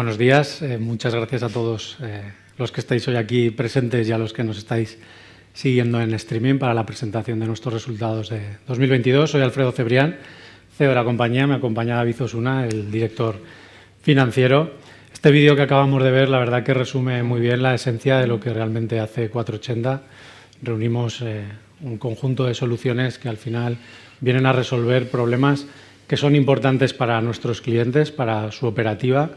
Buenos días. Muchas gracias a todos los que estáis hoy aquí presentes y a los que nos estáis siguiendo en streaming para la presentación de nuestros resultados de 2022. Soy Alfredo Cebrián, CEO de la compañía. Me acompaña David Osuna, el director financiero. Este vídeo que acabamos de ver la verdad que resume muy bien la esencia de lo que realmente hace Cuatroochenta. Reunimos un conjunto de soluciones que al final vienen a resolver problemas que son importantes para nuestros clientes, para su operativa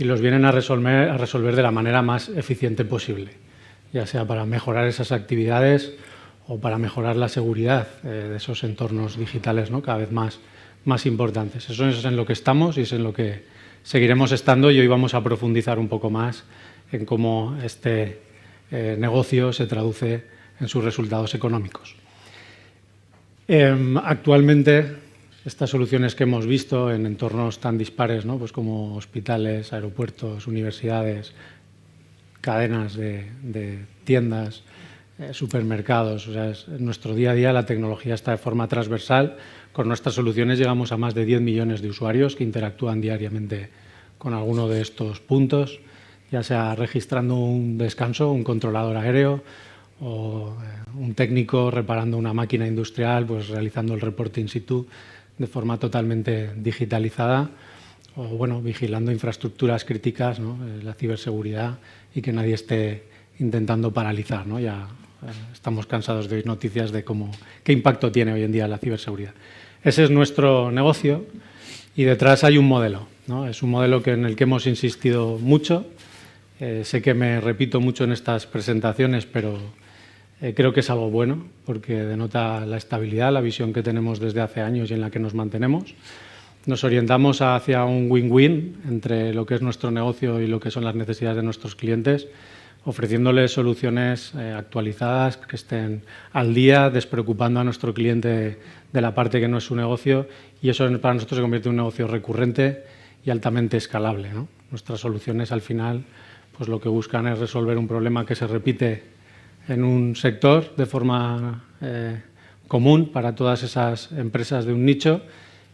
y los vienen a resolver de la manera más eficiente posible, ya sea para mejorar esas actividades o para mejorar la seguridad de esos entornos digitales, ¿no?, cada vez más importantes. Eso es en lo que estamos y es en lo que seguiremos estando. Hoy vamos a profundizar un poco más en cómo este negocio se traduce en sus resultados económicos. Actualmente, estas soluciones que hemos visto en entornos tan dispares, ¿no?, pues como hospitales, aeropuertos, universidades, cadenas de tiendas, supermercados. Es nuestro día a día. La tecnología está de forma transversal. Con nuestras soluciones llegamos a más de 10 millones de usuarios que interactúan diariamente con alguno de estos puntos, ya sea registrando un descanso, un controlador aéreo o un técnico reparando una máquina industrial, pues realizando el reporte in situ de forma totalmente digitalizada o, bueno, vigilando infraestructuras críticas, ¿no? La cybersecurity y que nadie esté intentando paralizar, ¿no? Ya estamos cansados de oír noticias de cómo qué impacto tiene hoy en día la cybersecurity. Ese es nuestro negocio. Detrás hay un modelo, ¿no? Es un modelo en el que hemos insistido mucho. Sé que me repito mucho en estas presentaciones, creo que es algo bueno porque denota la estabilidad, la visión que tenemos desde hace años y en la que nos mantenemos. Nos orientamos hacia un win-win entre lo que es nuestro negocio y lo que son las necesidades de nuestros clientes, ofreciéndoles soluciones actualizadas que estén al día, despreocupando a nuestro cliente de la parte que no es su negocio. Eso para nosotros se convierte en un negocio recurrente y altamente escalable, ¿no? Nuestras soluciones al final, pues lo que buscan es resolver un problema que se repite en un sector de forma común para todas esas empresas de un nicho.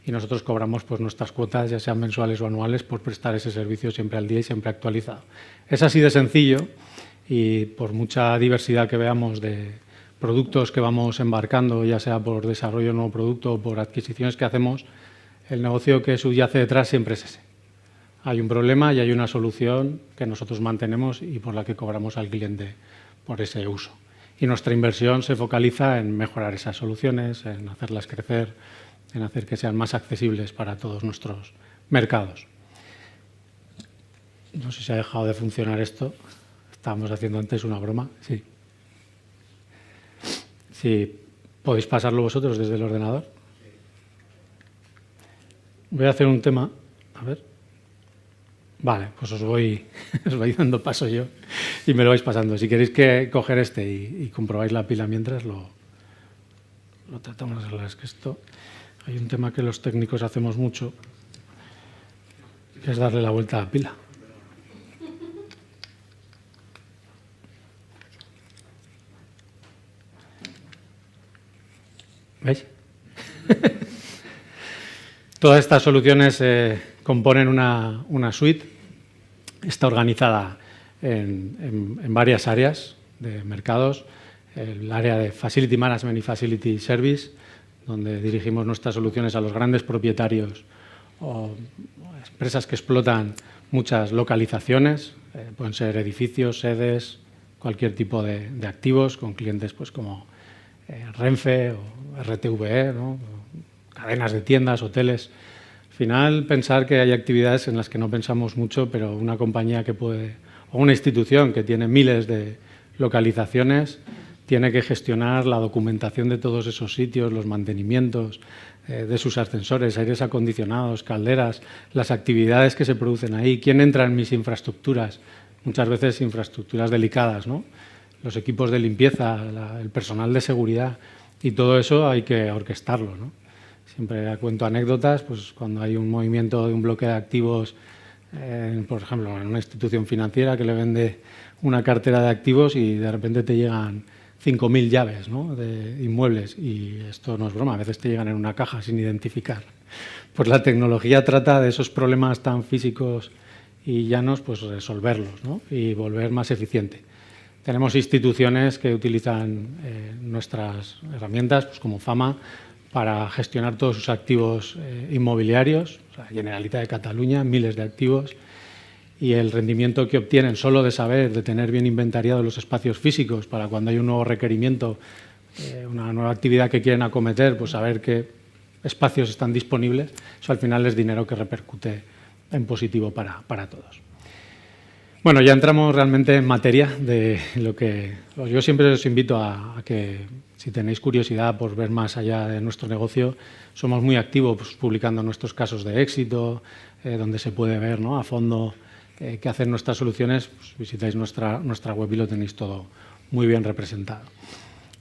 Nosotros cobramos, pues nuestras cuotas, ya sean mensuales o anuales, por prestar ese servicio siempre al día y siempre actualizado. Es así de sencillo y por mucha diversidad que veamos de productos que vamos embarcando, ya sea por desarrollo de nuevo producto o por adquisiciones que hacemos, el negocio que subyace detrás siempre es ese. Hay un problema y hay una solución que nosotros mantenemos y por la que cobramos al cliente por ese uso. Nuestra inversión se focaliza en mejorar esas soluciones, en hacerlas crecer, en hacer que sean más accesibles para todos nuestros mercados. No sé si se ha dejado de funcionar esto? Estábamos haciendo antes una broma. Sí. ¿Podéis pasarlo vosotros desde el ordenador? Sí. Voy a hacer un tema. A ver. Os voy dando paso yo y me lo vais pasando. Si queréis coger este y comprobáis la pila mientras lo tratamos de arreglar. Es que hay un tema que los técnicos hacemos mucho, que es darle la vuelta a la pila. ¿Veis? Todas estas soluciones componen una suite. Está organizada en varias áreas de mercados. El área de facility management y facility service, donde dirigimos nuestras soluciones a los grandes propietarios o empresas que explotan muchas localizaciones. Pueden ser edificios, sedes, cualquier tipo de activos con clientes, pues como Renfe o RTVE, ¿no? Cadenas de tiendas, hoteles. Al final, pensar que hay actividades en las que no pensamos mucho, pero una compañía o una institución que tiene miles de localizaciones tiene que gestionar la documentación de todos esos sitios, los mantenimientos de sus ascensores, aires acondicionados, calderas, las actividades que se producen ahí. ¿Quién entra en mis infraestructuras? Muchas veces infraestructuras delicadas, ¿no? Los equipos de limpieza, el personal de seguridad y todo eso hay que orquestarlo, ¿no? Siempre cuento anécdotas, pues cuando hay un movimiento de un bloque de activos, por ejemplo, en una institución financiera que le vende una cartera de activos y de repente te llegan 5,000 llaves, ¿no?, de inmuebles, y esto no es broma, a veces te llegan en una caja sin identificar. La tecnología trata de esos problemas tan físicos y llanos, pues resolverlos, ¿no? Y volver más eficiente. Tenemos instituciones que utilizan nuestras herramientas, pues como Fama, para gestionar todos sus activos inmobiliarios. Generalitat de Catalunya, miles de activos y el rendimiento que obtienen solo de saber, de tener bien inventariados los espacios físicos para cuando hay un nuevo requerimiento, una nueva actividad que quieren acometer, pues saber qué espacios están disponibles. Eso al final es dinero que repercute en positivo para todos. Ya entramos realmente en materia. Yo siempre os invito a que si tenéis curiosidad por ver más allá de nuestro negocio, somos muy activos publicando nuestros casos de éxito, donde se puede ver a fondo qué hacen nuestras soluciones. Visitáis nuestra web y lo tenéis todo muy bien representado.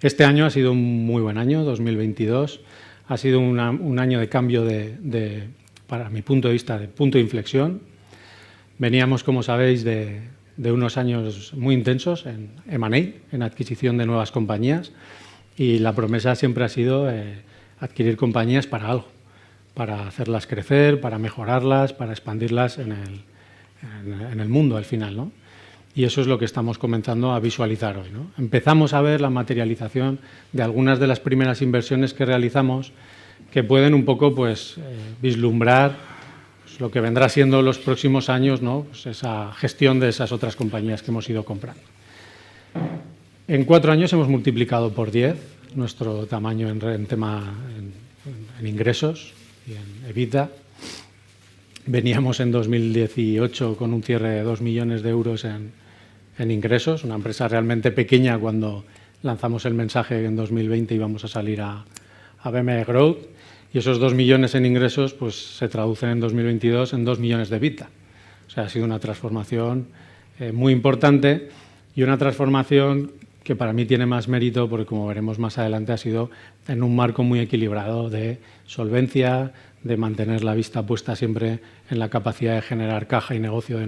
Este año ha sido un muy buen año. 2022 ha sido un año de cambio de, para mi punto de vista, de punto de inflexión. Veníamos, como sabéis, de unos años muy intensos en M&A, en adquisición de nuevas compañías y la promesa siempre ha sido adquirir compañías para algo. Para hacerlas crecer, para mejorarlas, para expandirlas en el mundo al final, no? Y eso es lo que estamos comenzando a visualizar hoy, no? Empezamos a ver la materialización de algunas de las primeras inversiones que realizamos, que pueden un poco, pues, vislumbrar, pues lo que vendrá siendo los próximos años, no? Pues esa gestión de esas otras compañías que hemos ido comprando. En 4 años hemos multiplicado por 10 nuestro tamaño en tema en ingresos y en EBITDA. Veníamos en 2018 con un cierre de 2 million euros en ingresos, una empresa realmente pequeña cuando lanzamos el mensaje que en 2020 íbamos a salir a BME Growth. Esos 2 million en ingresos, pues se traducen en 2022 en 2 million de EBITDA. Ha sido una transformación muy importante y una transformación que para mí tiene más mérito porque, como veremos más adelante, ha sido en un marco muy equilibrado de solvencia, de mantener la vista puesta siempre en la capacidad de generar caja y negocio de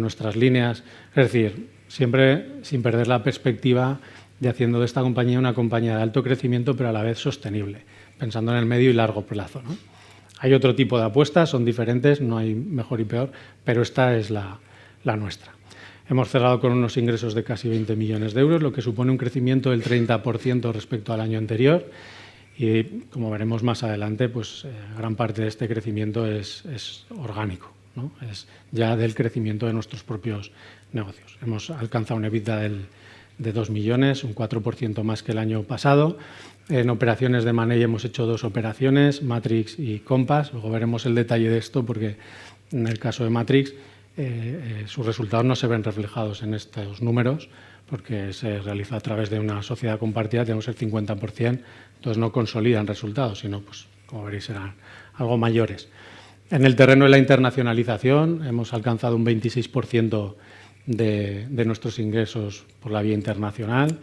nuestras líneas. Es decir, siempre sin perder la perspectiva de haciendo de esta compañía una compañía de alto crecimiento, pero a la vez sostenible, pensando en el medio y largo plazo. Hay otro tipo de apuestas, son diferentes, no hay mejor y peor, pero esta es la nuestra. Hemos cerrado con unos ingresos de casi 20 million euros, lo que supone un crecimiento del 30% respecto al año anterior. Como veremos más adelante, pues, gran parte de este crecimiento es orgánico, ¿no? Es ya del crecimiento de nuestros propios negocios. Hemos alcanzado un EBITDA de 2 million, un 4% más que el año pasado. En operaciones de M&A hemos hecho dos operaciones, Matrix y Conpas. Luego veremos el detalle de esto, porque en el caso de Matrix, sus resultados no se ven reflejados en estos números, porque se realiza a través de una sociedad compartida, tenemos el 50%, entonces no consolidan resultados, sino, pues como veréis, serán algo mayores. En el terreno de la internacionalización, hemos alcanzado un 26% de nuestros ingresos por la vía internacional.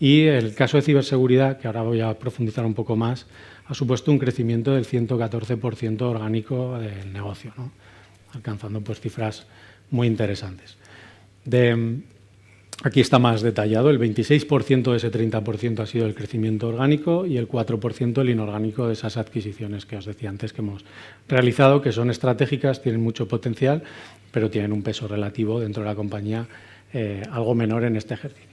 El caso de cybersecurity, que ahora voy a profundizar un poco más, ha supuesto un crecimiento del 114% orgánico del negocio, ¿no>? Alcanzando, pues cifras muy interesantes. Aquí está más detallado. El 26% de ese 30% ha sido el crecimiento orgánico y el 4%, el inorgánico de esas adquisiciones que os decía antes que hemos realizado, que son estratégicas, tienen mucho potencial, pero tienen un peso relativo dentro de la compañía, algo menor en este ejercicio.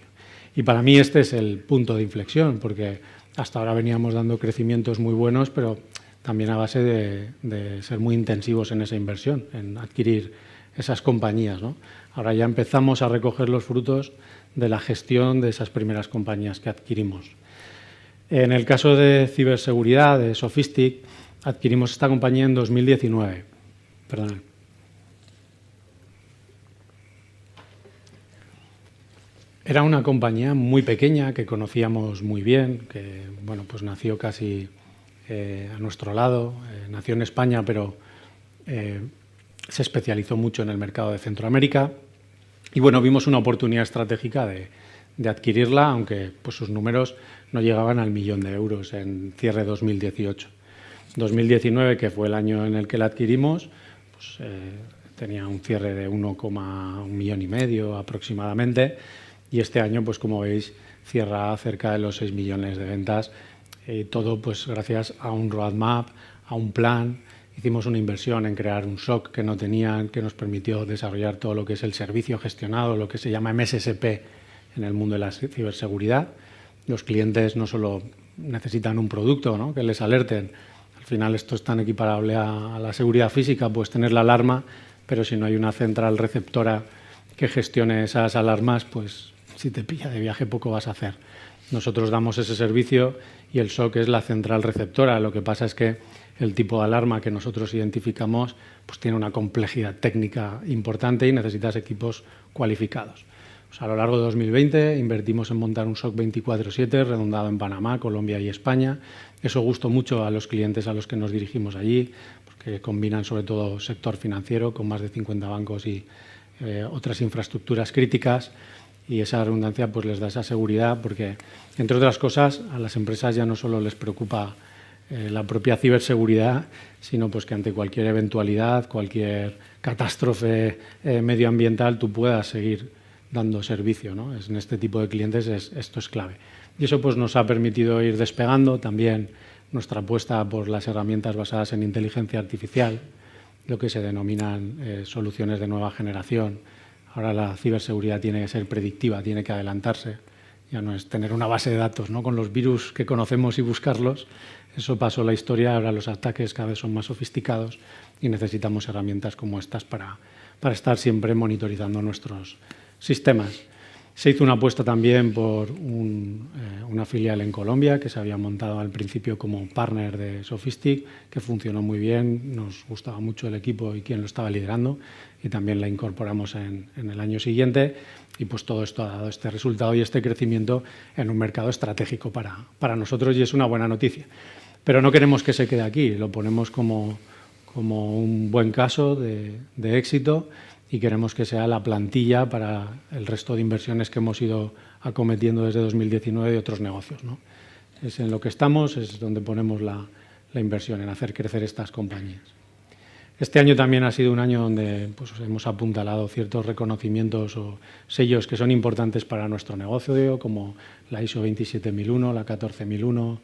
Para mí, este es el punto de inflexión, porque hasta ahora veníamos dando crecimientos muy buenos, pero también a base de ser muy intensivos en esa inversión, en adquirir esas compañías, ¿no>? Ahora ya empezamos a recoger los frutos de la gestión de esas primeras compañías que adquirimos. En el caso de cybersecurity, de Sofistic, adquirimos esta compañía en 2019. Perdonen. Era una compañía muy pequeña, que conocíamos muy bien, que, bueno, pues nació casi a nuestro lado. Nació en España, pero se especializó mucho en el mercado de Centroamérica. Bueno, vimos una oportunidad estratégica de adquirirla, aunque, pues sus números no llegaban a 1 million euros en cierre 2018. 2019, que fue el año en el que la adquirimos, pues tenía un cierre de 1.5 million aproximadamente. Este año, pues como veis, cierra cerca de los 6 million de ventas. Todo, pues gracias a un roadmap, a un plan. Hicimos una inversión en crear un SOC que no tenían, que nos permitió desarrollar todo lo que es el servicio gestionado, lo que se llama MSSP en el mundo de la ciberseguridad. Los clientes no solo necesitan un producto, ¿no? Que les alerten. Al final, esto es tan equiparable a la seguridad física, puedes tener la alarma, pero si no hay una central receptora que gestione esas alarmas, pues si te pilla de viaje, poco vas a hacer. Nosotros damos ese servicio y el SOC es la central receptora. Lo que pasa es que el tipo de alarma que nosotros identificamos, pues tiene una complejidad técnica importante y necesitas equipos cualificados. Pues a lo largo de 2020, invertimos en montar un SOC 24/7, redundado en Panamá, Colombia y España. Eso gustó mucho a los clientes a los que nos dirigimos allí, porque combinan sobre todo sector financiero con más de 50 bancos y otras infraestructuras críticas. Esa redundancia, pues les da esa seguridad, porque entre otras cosas, a las empresas ya no solo les preocupa, la propia ciberseguridad, sino pues que ante cualquier eventualidad, cualquier catástrofe, medioambiental, tú puedas seguir dando servicio. En este tipo de clientes, esto es clave. Eso, pues nos ha permitido ir despegando también nuestra apuesta por las herramientas basadas en inteligencia artificial, lo que se denominan, soluciones de nueva generación. Ahora la ciberseguridad tiene que ser predictiva, tiene que adelantarse. Ya no es tener una base de datos. Con los virus que conocemos y buscarlos. Eso pasó a la historia. Ahora los ataques cada vez son más sofisticados y necesitamos herramientas como estas para estar siempre monitorizando nuestros sistemas. Se hizo una apuesta también por una filial en Colombia que se había montado al principio como un partner de Sofistic, que funcionó muy bien. Nos gustaba mucho el equipo y quien lo estaba liderando, y también la incorporamos en el año siguiente. Pues todo esto ha dado este resultado y este crecimiento en un mercado estratégico para nosotros y es una buena noticia. No queremos que se quede aquí. Lo ponemos como un buen caso de éxito y queremos que sea la plantilla para el resto de inversiones que hemos ido acometiendo desde 2019 de otros negocios, ¿no? Es en lo que estamos, es donde ponemos la inversión en hacer crecer estas compañías. Este año también ha sido un año donde, pues hemos apuntalado ciertos reconocimientos o sellos que son importantes para nuestro negocio, como la ISO 27001, la 14001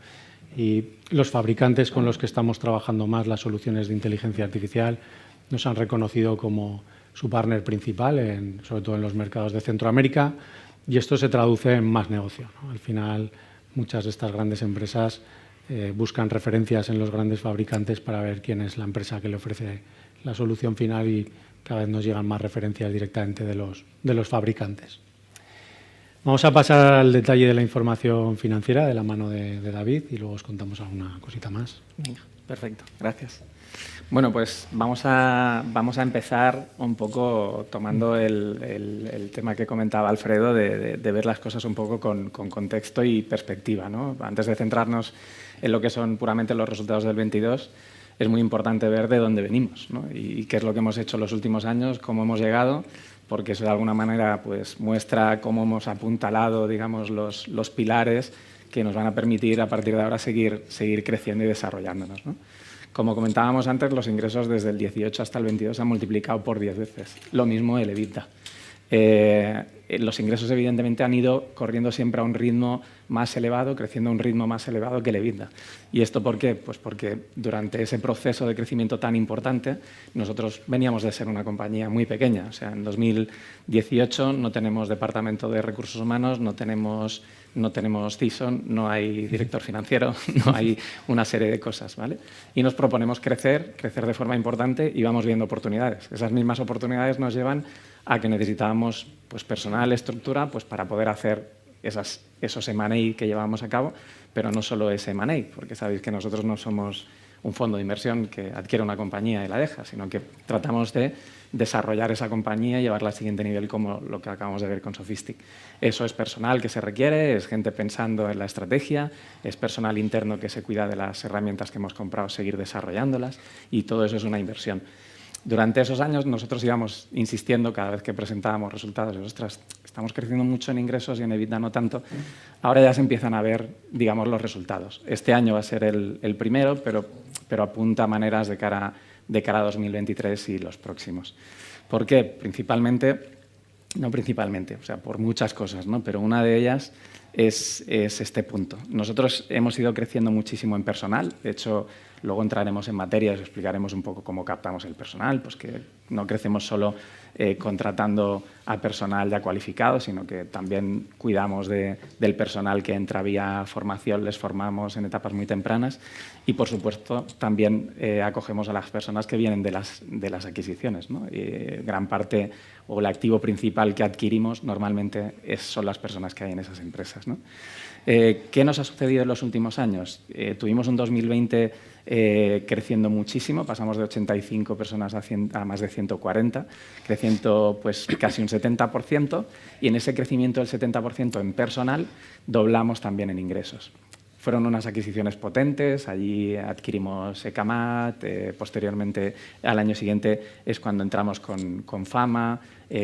y los fabricantes con los que estamos trabajando más las soluciones de inteligencia artificial nos han reconocido como su partner principal en sobre todo en los mercados de Centroamérica, y esto se traduce en más negocio, no? Al final, muchas de estas grandes empresas buscan referencias en los grandes fabricantes para ver quién es la empresa que le ofrece la solución final y cada vez nos llegan más referencias directamente de los fabricantes. Vamos a pasar al detalle de la información financiera de la mano de David y luego os contamos alguna cosita más. Venga. Perfecto, gracias. Vamos a empezar un poco tomando el tema que comentaba Alfredo de ver las cosas un poco con contexto y perspectiva? Antes de centrarnos en lo que son puramente los resultados del 2022, es muy importante ver de dónde venimos? Qué es lo que hemos hecho en los últimos años, cómo hemos llegado, porque eso de alguna manera, pues muestra cómo hemos apuntalado, digamos, los pilares que nos van a permitir a partir de ahora seguir creciendo y desarrollándonos? Como comentábamos antes, los ingresos desde el 2018 hasta el 2022 se han multiplicado por 10 veces. Lo mismo el EBITDA. Los ingresos, evidentemente, han ido corriendo siempre a un ritmo más elevado, creciendo a un ritmo más elevado que el EBITDA. ¿Y esto por qué? Porque durante ese proceso de crecimiento tan importante, nosotros veníamos de ser una compañía muy pequeña. O sea, en 2018 no tenemos departamento de recursos humanos, no tenemos CISO, no hay director financiero, no hay una serie de cosas, ¿vale? Nos proponemos crecer de forma importante y vamos viendo oportunidades. Esas mismas oportunidades nos llevan a que necesitábamos personal, estructura para poder hacer esos M&A que llevamos a cabo. No solo es M&A, porque sabéis que nosotros no somos un fondo de inversión que adquiere una compañía y la deja, sino que tratamos de desarrollar esa compañía y llevarla al siguiente nivel, como lo que acabamos de ver con Sofistic. Eso es personal que se requiere, es gente pensando en la estrategia, es personal interno que se cuida de las herramientas que hemos comprado, seguir desarrollándolas y todo eso es una inversión. Durante esos años, nosotros íbamos insistiendo cada vez que presentábamos resultados de: «Ostras, estamos creciendo mucho en ingresos y en EBITDA no tanto». Ahora ya se empiezan a ver, digamos, los resultados. Este año va a ser el primero, pero apunta maneras de cara a 2023 y los próximos. ¿Por qué? Principalmente, o sea, por muchas cosas, ¿no? Una de ellas es este punto. Nosotros hemos ido creciendo muchísimo en personal. De hecho, luego entraremos en materia y os explicaremos un poco cómo captamos el personal, pues que no crecemos solo contratando a personal ya cualificado, sino que también cuidamos del personal que entra vía formación, les formamos en etapas muy tempranas. Por supuesto, también acogemos a las personas que vienen de las adquisiciones. Gran parte o el activo principal que adquirimos normalmente son las personas que hay en esas empresas. ¿Qué nos ha sucedido en los últimos años? Tuvimos un 2020, creciendo muchísimo. Pasamos de 85 personas a 100, a más de 140, creciendo, pues casi un 70%. En ese crecimiento del 70% en personal, doblamos también en ingresos. Fueron unas adquisiciones potentes. Allí adquirimos Ekamat. Posteriormente, al año siguiente, es cuando entramos con Fama,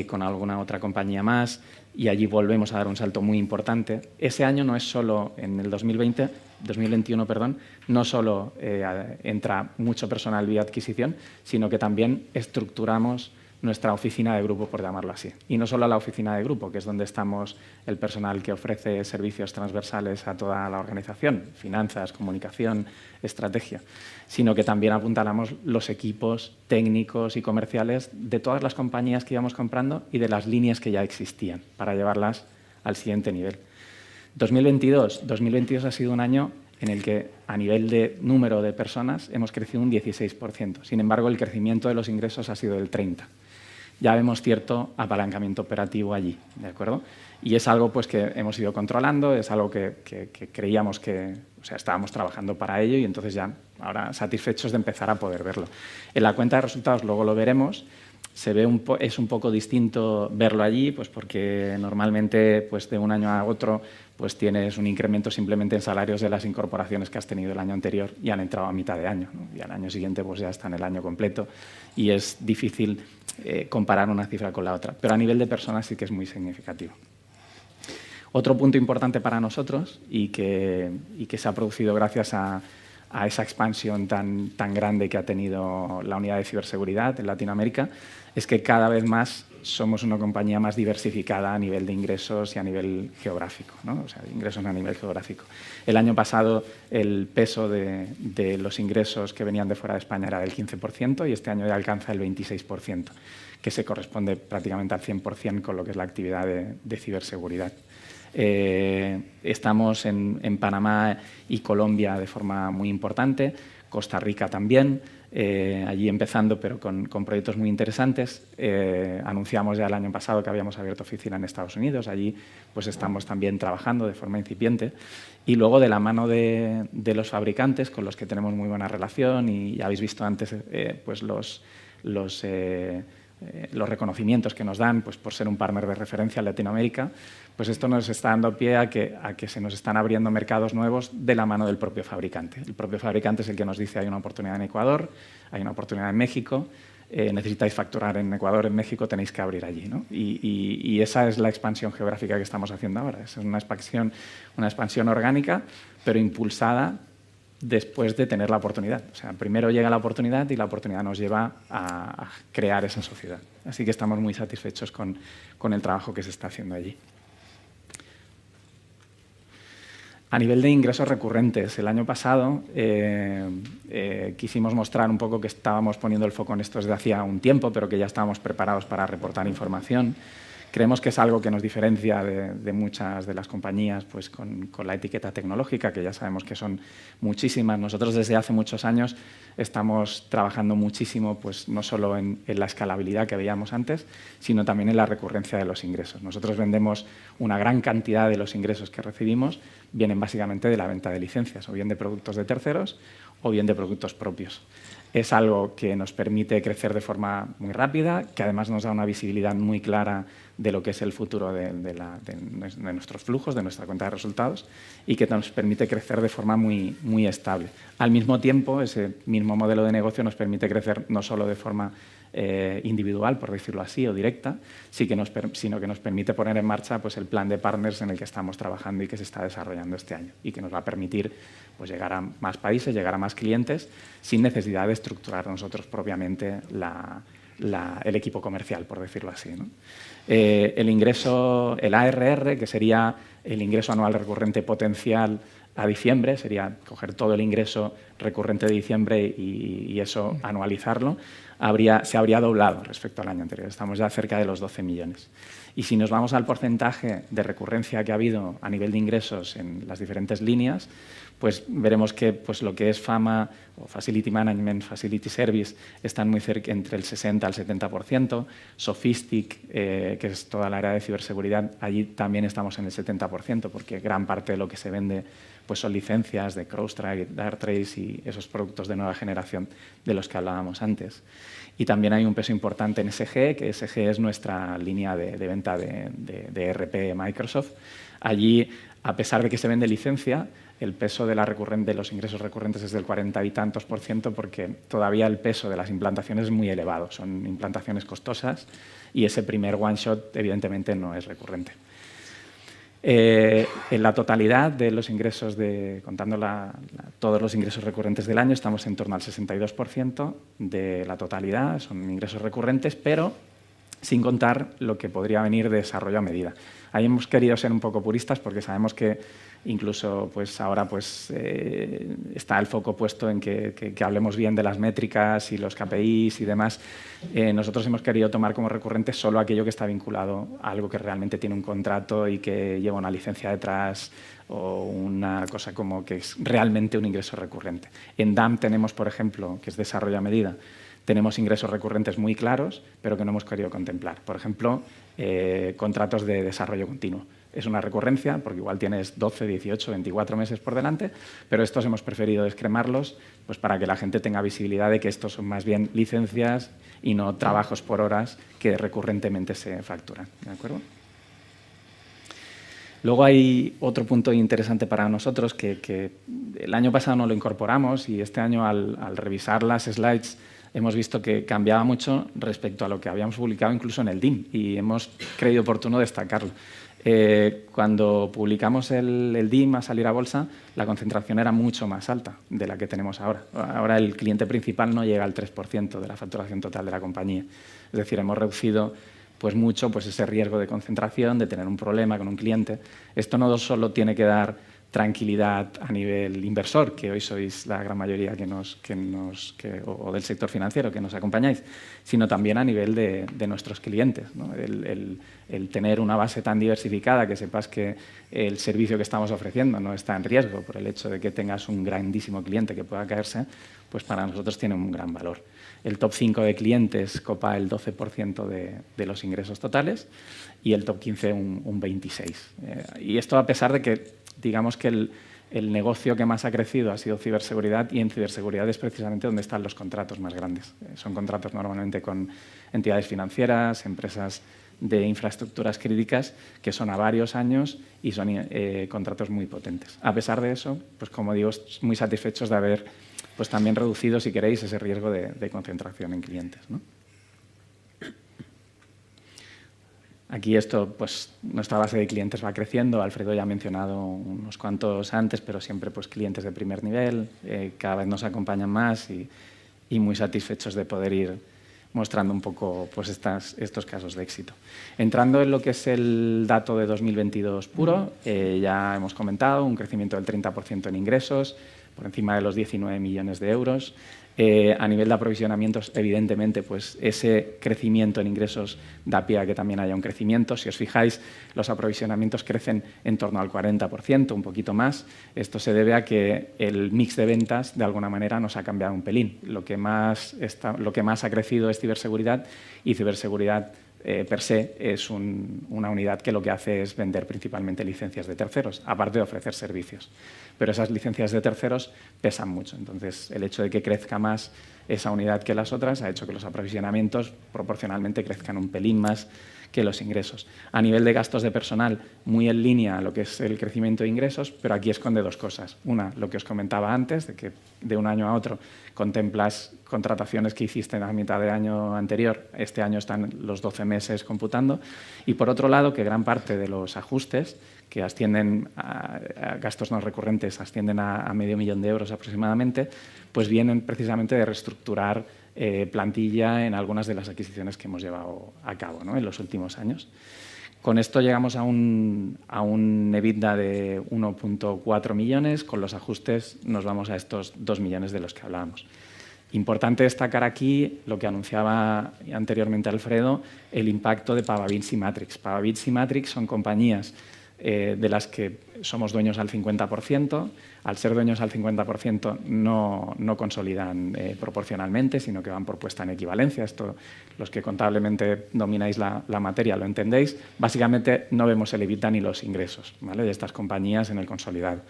con alguna otra compañía más y allí volvemos a dar un salto muy importante. Ese año no es solo en el 2020, 2021, perdón, no solo entra mucho personal vía adquisición, sino que también estructuramos nuestra oficina de grupo, por llamarlo así. No solo la oficina de grupo, que es donde estamos el personal que ofrece servicios transversales a toda la organización: finanzas, comunicación, estrategia, sino que también apuntalamos los equipos técnicos y comerciales de todas las compañías que íbamos comprando y de las líneas que ya existían para llevarlas al siguiente nivel. 2022. 2022 ha sido un año en el que a nivel de número de personas hemos crecido un 16%. Sin embargo, el crecimiento de los ingresos ha sido del 30%. Ya vemos cierto apalancamiento operativo allí, ¿de acuerdo? Es algo, pues que hemos ido controlando, es algo que creíamos que, o sea, estábamos trabajando para ello y ya ahora satisfechos de empezar a poder verlo. En la cuenta de resultados, luego lo veremos, se ve un poco distinto verlo allí, pues porque normalmente, pues de un año a otro, pues tienes un incremento simplemente en salarios de las incorporaciones que has tenido el año anterior y han entrado a mitad de año, ¿no? Al año siguiente, pues ya están el año completo y es difícil comparar una cifra con la otra, pero a nivel de personas sí que es muy significativo. Otro punto importante para nosotros y que se ha producido gracias a esa expansión tan grande que ha tenido la unidad de ciberseguridad en Latin America, es que cada vez más somos una compañía más diversificada a nivel de ingresos y a nivel geográfico, no? O sea, ingresos a nivel geográfico. El año pasado, el peso de los ingresos que venían de fuera de España era del 15% y este año ya alcanza el 26%, que se corresponde prácticamente al 100% con lo que es la actividad de ciberseguridad. Estamos en Panama y Colombia de forma muy importante. Costa Rica también, allí empezando, pero con proyectos muy interesantes. Anunciamos ya el año pasado que habíamos abierto oficina en United States. Allí, pues estamos también trabajando de forma incipiente. Luego de la mano de los fabricantes con los que tenemos muy buena relación y ya habéis visto antes, pues los reconocimientos que nos dan, pues por ser un partner de referencia en Latinoamérica, esto nos está dando pie a que se nos están abriendo mercados nuevos de la mano del propio fabricante. El propio fabricante es el que nos dice: «Hay una oportunidad en Ecuador, hay una oportunidad en México. Necesitáis facturar en Ecuador, en México tenéis que abrir allí, ¿no? Esa es la expansión geográfica que estamos haciendo ahora. Esa es una expansión orgánica, impulsada después de tener la oportunidad. O sea, primero llega la oportunidad, la oportunidad nos lleva a crear esa sociedad. Estamos muy satisfechos con el trabajo que se está haciendo allí. A nivel de ingresos recurrentes, el año pasado, quisimos mostrar un poco que estábamos poniendo el foco en esto desde hacía un tiempo, pero que ya estábamos preparados para reportar información. Creemos que es algo que nos diferencia de muchas de las compañías, pues con la etiqueta tecnológica, que ya sabemos que son muchísimas. Nosotros desde hace muchos años estamos trabajando muchísimo, pues no solo en la escalabilidad que veíamos antes, sino también en la recurrencia de los ingresos. Nosotros vendemos una gran cantidad de los ingresos que recibimos vienen básicamente de la venta de licencias, o bien de productos de terceros o bien de productos propios. Es algo que nos permite crecer de forma muy rápida, que además nos da una visibilidad muy clara de lo que es el futuro de la, de nuestros flujos, de nuestra cuenta de resultados y que nos permite crecer de forma muy estable. Al mismo tiempo, ese mismo modelo de negocio nos permite crecer no solo de forma individual, por decirlo así, o directa, sí que nos sino que nos permite poner en marcha, pues el plan de partners en el que estamos trabajando y que se está desarrollando este año y que nos va a permitir, pues llegar a más países, llegar a más clientes, sin necesidad de estructurar nosotros propiamente la, el equipo comercial, por decirlo así, ¿no? El ingreso, el ARR, que sería el ingreso anual recurrente potencial a diciembre, sería coger todo el ingreso recurrente de diciembre y eso anualizarlo, se habría doblado respecto al año anterior. Estamos ya cerca de los 12 million. Si nos vamos al porcentaje de recurrencia que ha habido a nivel de ingresos en las diferentes líneas, veremos que lo que es FAMA o Facility Management, Facility Service, están entre el 60%-70%. Sofistic, que es toda la área de ciberseguridad, allí también estamos en el 70%, porque gran parte de lo que se vende son licencias de CrowdStrike, Darktrace y esos productos de nueva generación de los que hablábamos antes. También hay un peso importante en SG, que SG es nuestra línea de venta de ERP de Microsoft. Allí, a pesar de que se vende licencia, el peso de los ingresos recurrentes es del 40-something %, porque todavía el peso de las implantaciones es muy elevado. Son implantaciones costosas y ese primer one shot, evidentemente, no es recurrente. En la totalidad de los ingresos contando todos los ingresos recurrentes del año, estamos en torno al 62% de la totalidad, son ingresos recurrentes, pero sin contar lo que podría venir de Desarrollo a Medida. Ahí hemos querido ser un poco puristas porque sabemos que incluso, pues ahora, está el foco puesto en que hablemos bien de las métricas y los KPIs y demás. Nosotros hemos querido tomar como recurrente solo aquello que está vinculado a algo que realmente tiene un contrato y que lleva una licencia detrás o una cosa como que es realmente un ingreso recurrente. En DAM tenemos, por ejemplo, que es desarrollo a medida, tenemos ingresos recurrentes muy claros, pero que no hemos querido contemplar. Por ejemplo, contratos de desarrollo continuo. Es una recurrencia, porque igual tienes 12, 18, 24 meses por delante, pero estos hemos preferido descremarlos, pues para que la gente tenga visibilidad de que estos son más bien licencias y no trabajos por horas que recurrentemente se facturan. De acuerdo. Hay otro punto interesante para nosotros que el año pasado no lo incorporamos y este año al revisar las slides hemos visto que cambiaba mucho respecto a lo que habíamos publicado incluso en el DIIM y hemos creído oportuno destacarlo. Cuando publicamos el DIM al salir a bolsa, la concentración era mucho más alta de la que tenemos ahora. Ahora el cliente principal no llega al 3% de la facturación total de la compañía. Es decir, hemos reducido, pues mucho, ese riesgo de concentración, de tener un problema con un cliente. Esto no solo tiene que dar tranquilidad a nivel inversor, que hoy sois la gran mayoría o del sector financiero que nos acompañáis, sino también a nivel de nuestros clientes, ¿no? El tener una base tan diversificada que sepas que el servicio que estamos ofreciendo no está en riesgo por el hecho de que tengas un grandísimo cliente que pueda caerse, pues para nosotros tiene un gran valor. El top 5 de clientes copa el 12% de los ingresos totales y el top 15 un 26%. Esto a pesar de que digamos que el negocio que más ha crecido ha sido ciberseguridad, y en ciberseguridad es precisamente donde están los contratos más grandes. Son contratos normalmente con entidades financieras, empresas de infraestructuras críticas que son a varios años y son contratos muy potentes. A pesar de eso, pues como digo, muy satisfechos de haber, pues también reducido, si queréis, ese riesgo de concentración en clientes. Aquí, esto, pues nuestra base de clientes va creciendo. Alfredo ya ha mencionado unos cuantos antes, pero siempre, pues clientes de primer nivel. Cada vez nos acompañan más y muy satisfechos de poder ir mostrando un poco, pues estos casos de éxito. Entrando en lo que es el dato de 2022 puro, ya hemos comentado un crecimiento del 30% en ingresos, por encima de los 19 million euros. A nivel de aprovisionamientos, evidentemente, pues ese crecimiento en ingresos da pie a que también haya un crecimiento. Si os fijáis, los aprovisionamientos crecen en torno al 40%, un poquito más. Esto se debe a que el mix de ventas de alguna manera nos ha cambiado un pelín. Lo que más ha crecido es ciberseguridad, y ciberseguridad, per se, es una unidad que lo que hace es vender principalmente licencias de terceros, aparte de ofrecer servicios. Esas licencias de terceros pesan mucho. El hecho de que crezca más esa unidad que las otras ha hecho que los aprovisionamientos proporcionalmente crezcan un pelín más que los ingresos. A nivel de gastos de personal, muy en línea a lo que es el crecimiento de ingresos. Aquí esconde dos cosas. Una, lo que os comentaba antes, de que de un año a otro contemplas contrataciones que hiciste a mitad de año anterior. Este año están los 12 meses computando. Por otro lado, que gran parte de los ajustes, que ascienden a gastos no recurrentes, ascienden a medio millón de euros, aproximadamente, pues vienen precisamente de reestructurar plantilla en algunas de las adquisiciones que hemos llevado a cabo en los últimos años. Con esto llegamos a un EBITDA de 1.4 million. Con los ajustes nos vamos a estos 2 million de los que hablábamos. Importante destacar aquí lo que anunciaba anteriormente Alfredo, el impacto de Pavabits y Matrix. Pavabits y Matrix son compañías de las que somos dueños al 50%. Al ser dueños al 50%, no consolidan proporcionalmente, sino que van por puesta en equivalencia. Esto los que contablemente domináis la materia lo entendéis. Básicamente, no vemos el EBITDA ni los ingresos, ¿vale? de estas compañías en el consolidado.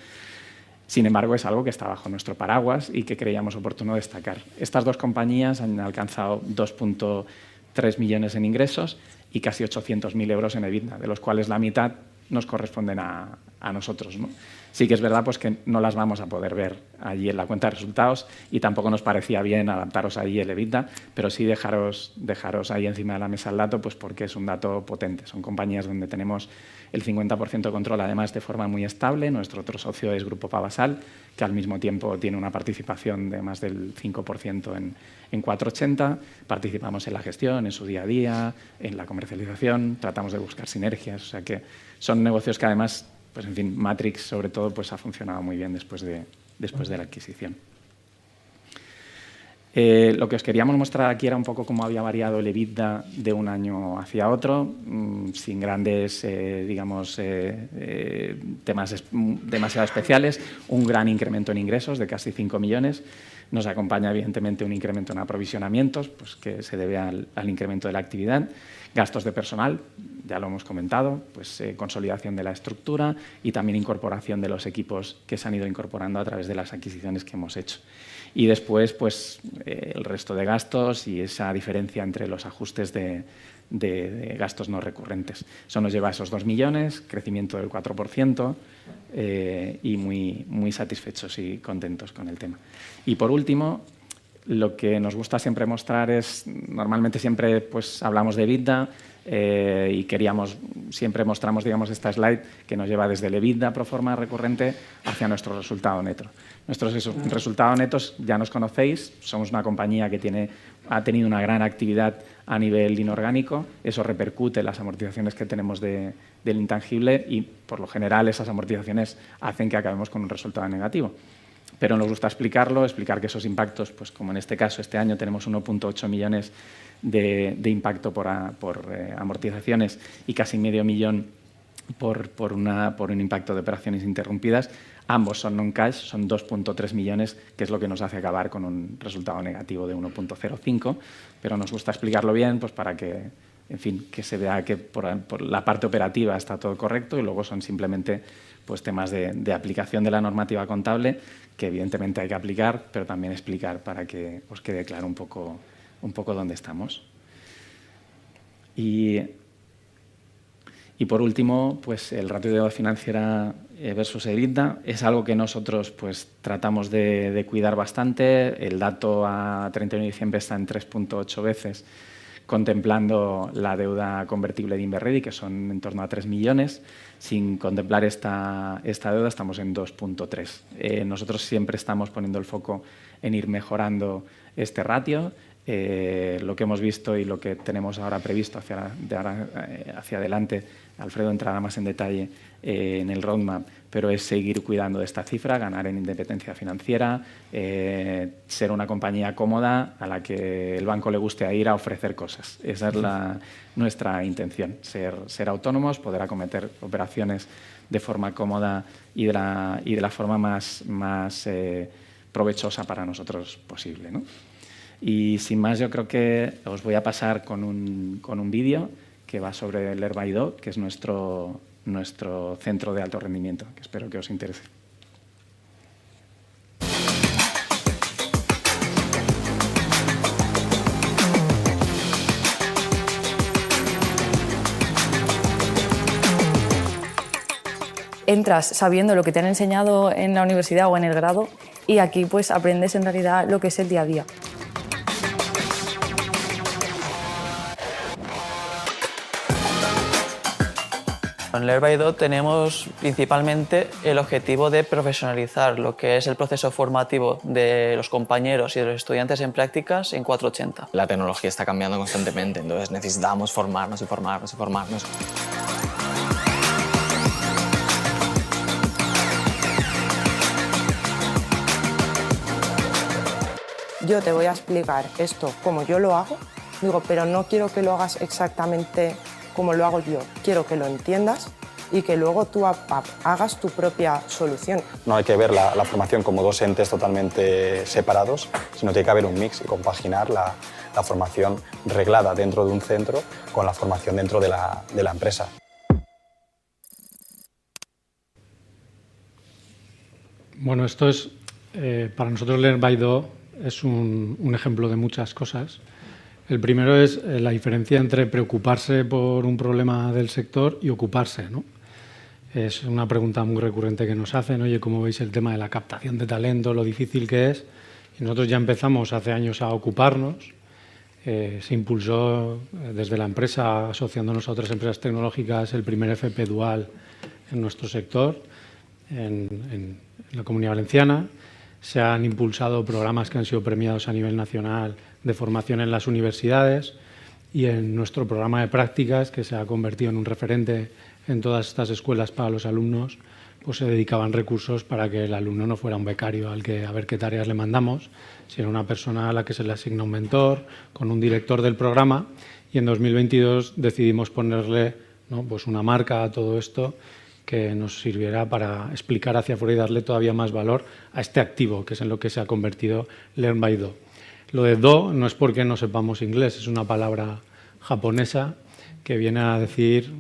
Sin embargo, es algo que está bajo nuestro paraguas y que creíamos oportuno destacar. Estas two compañías han alcanzado 2.3 million en ingresos y casi 800,000 euros en EBITDA, de los cuales la mitad nos corresponden a nosotros, ¿no? Sí que es verdad, pues que no las vamos a poder ver allí en la cuenta de resultados y tampoco nos parecía bien adaptaros ahí el EBITDA, pero sí dejaros ahí encima de la mesa el dato, pues porque es un dato potente. Son compañías donde tenemos el 50% de control, además de forma muy estable. Nuestro otro socio es Grupo Pavasal, que al mismo tiempo tiene una participación de más del 5% en Cuatroochenta. Participamos en la gestión, en su día a día, en la comercialización, tratamos de buscar sinergias. Son negocios que además, pues en fin, Matrix sobre todo, ha funcionado muy bien después de la adquisición. Lo que os queríamos mostrar aquí era un poco cómo había variado el EBITDA de un año hacia otro, sin grandes, digamos, temas demasiado especiales. Un gran incremento en ingresos de casi 5 million. Nos acompaña evidentemente un incremento en aprovisionamientos, pues que se debe al incremento de la actividad. Gastos de personal, ya lo hemos comentado, consolidación de la estructura y también incorporación de los equipos que se han ido incorporando a través de las adquisiciones que hemos hecho. Después, el resto de gastos y esa diferencia entre los ajustes de gastos no recurrentes. Eso nos lleva a esos 2 million, crecimiento del 4%, y muy satisfechos y contentos con el tema. Por último, lo que nos gusta siempre mostrar es normalmente siempre, hablamos de EBITDA, y siempre mostramos, digamos, esta slide que nos lleva desde el EBITDA pro forma recurrente hacia nuestro resultado neto. Resultado netos ya nos conocéis. Somos una compañía que ha tenido una gran actividad a nivel inorgánico. Eso repercute en las amortizaciones que tenemos del intangible y, por lo general, esas amortizaciones hacen que acabemos con un resultado negativo. Nos gusta explicarlo, explicar que esos impactos, pues como en este caso, este año tenemos 1.8 million de impacto por amortizaciones y casi half a million EUR por un impacto de operaciones interrumpidas. Ambos son non-cash, son 2.3 million, que es lo que nos hace acabar con un resultado negativo de 1.05. Nos gusta explicarlo bien, pues para que, en fin, que se vea que por la parte operativa está todo correcto. Luego son simplemente, pues temas de aplicación de la normativa contable, que evidentemente hay que aplicar, pero también explicar para que os quede claro un poco dónde estamos. Por último, pues el ratio de deuda financiera versus EBITDA es algo que nosotros, pues tratamos de cuidar bastante. El dato a December 31 está en 3.8x, contemplando la deuda convertible de Inveready, que son en torno a 3 million. Sin contemplar esta deuda, estamos en 2.3x. Nosotros siempre estamos poniendo el foco en ir mejorando este ratio. Lo que hemos visto y lo que tenemos ahora previsto hacia, de ahora, hacia adelante, Alfredo entrará más en detalle en el roadmap, pero es seguir cuidando de esta cifra, ganar en independencia financiera, ser una compañía cómoda a la que el banco le guste ir a ofrecer cosas. Esa es nuestra intención, ser autónomos, poder acometer operaciones de forma cómoda y de la forma más provechosa para nosotros posible, ¿no? Sin más, yo creo que os voy a pasar con un, con un vídeo que va sobre Learnby-do, que es nuestro centro de alto rendimiento, que espero que os interese. Entras sabiendo lo que te han enseñado en la universidad o en el grado y aquí, pues aprendes en realidad lo que es el día a día. Con Learnby-do tenemos principalmente el objetivo de profesionalizar lo que es el proceso formativo de los compañeros y de los estudiantes en prácticas en Cuatroochenta. La tecnología está cambiando constantemente, entonces necesitamos formarnos y formarnos y formarnos. Yo te voy a explicar esto como yo lo hago. Digo, no quiero que lo hagas exactamente como lo hago yo. Quiero que lo entiendas y que luego tú hagas tu propia solución. No hay que ver la formación como 2 entes totalmente separados, sino tiene que haber un mix y compaginar la formación reglada dentro de un centro con la formación dentro de la empresa. Bueno, esto es para nosotros Learnby-do es un ejemplo de muchas cosas. El primero es la diferencia entre preocuparse por un problema del sector y ocuparse, ¿no? Es una pregunta muy recurrente que nos hacen. Oye, cómo veis el tema de la captación de talento, lo difícil que es? Nosotros ya empezamos hace años a ocuparnos. Se impulsó desde la empresa, asociándonos a otras empresas tecnológicas, el primer FP Dual en nuestro sector. En la Comunidad Valenciana. Se han impulsado programas que han sido premiados a nivel nacional de formación en las universidades y en nuestro programa de prácticas, que se ha convertido en un referente en todas estas escuelas para los alumnos, pues se dedicaban recursos para que el alumno no fuera un becario al que a ver qué tareas le mandamos, sino una persona a la que se le asigna un mentor con un director del programa. En 2022 decidimos ponerle una marca a todo esto que nos sirviera para explicar hacia afuera y darle todavía más valor a este activo, que es en lo que se ha convertido Learnby-do. Lo de Do no es porque no sepamos inglés, es una palabra japonesa que viene a decir,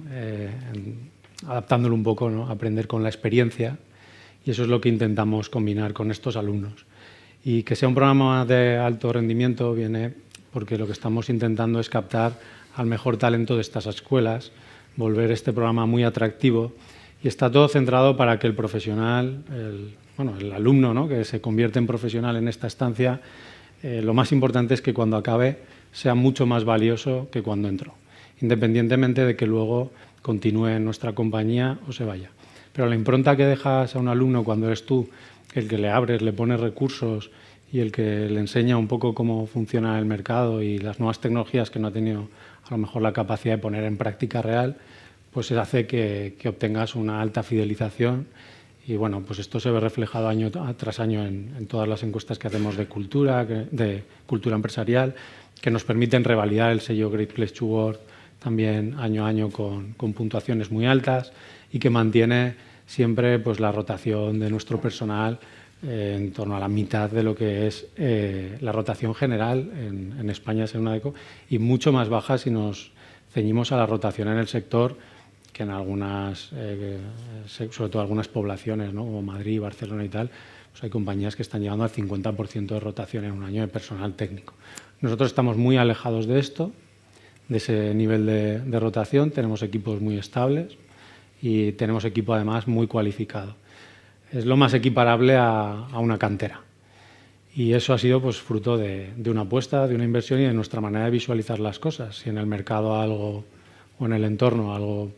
adaptándolo un poco, aprender con la experiencia. Eso es lo que intentamos combinar con estos alumnos. Que sea un programa de alto rendimiento viene porque lo que estamos intentando es captar al mejor talento de estas escuelas, volver este programa muy atractivo. Está todo centrado para que el profesional, bueno, el alumno, ¿no? Que se convierte en profesional en esta estancia, lo más importante es que cuando acabe sea mucho más valioso que cuando entró, independientemente de que luego continúe en nuestra compañía o se vaya. La impronta que dejas a un alumno cuando eres tú el que le abres, le pones recursos y el que le enseña un poco cómo funciona el mercado y las nuevas tecnologías que no ha tenido a lo mejor la capacidad de poner en práctica real, pues hace que obtengas una alta fidelización. Bueno, pues esto se ve reflejado año tras año en todas las encuestas que hacemos de cultura, de cultura empresarial, que nos permiten revalidar el sello Great Place To Work también año a año con puntuaciones muy altas y que mantiene siempre, pues la rotación de nuestro personal en torno a la mitad de lo que es la rotación general en España, según Adecco, y mucho más baja si nos ceñimos a la rotación en el sector, que en algunas, sobre todo algunas poblaciones, ¿no? Como Madrid, Barcelona y tal, pues hay compañías que están llegando al 50% de rotación en un año de personal técnico. Nosotros estamos muy alejados de esto, de ese nivel de rotación. Tenemos equipos muy estables y tenemos equipo, además, muy cualificado. Es lo más equiparable a una cantera. Eso ha sido, pues fruto de una apuesta, de una inversión y de nuestra manera de visualizar las cosas. Si en el mercado algo o en el entorno algo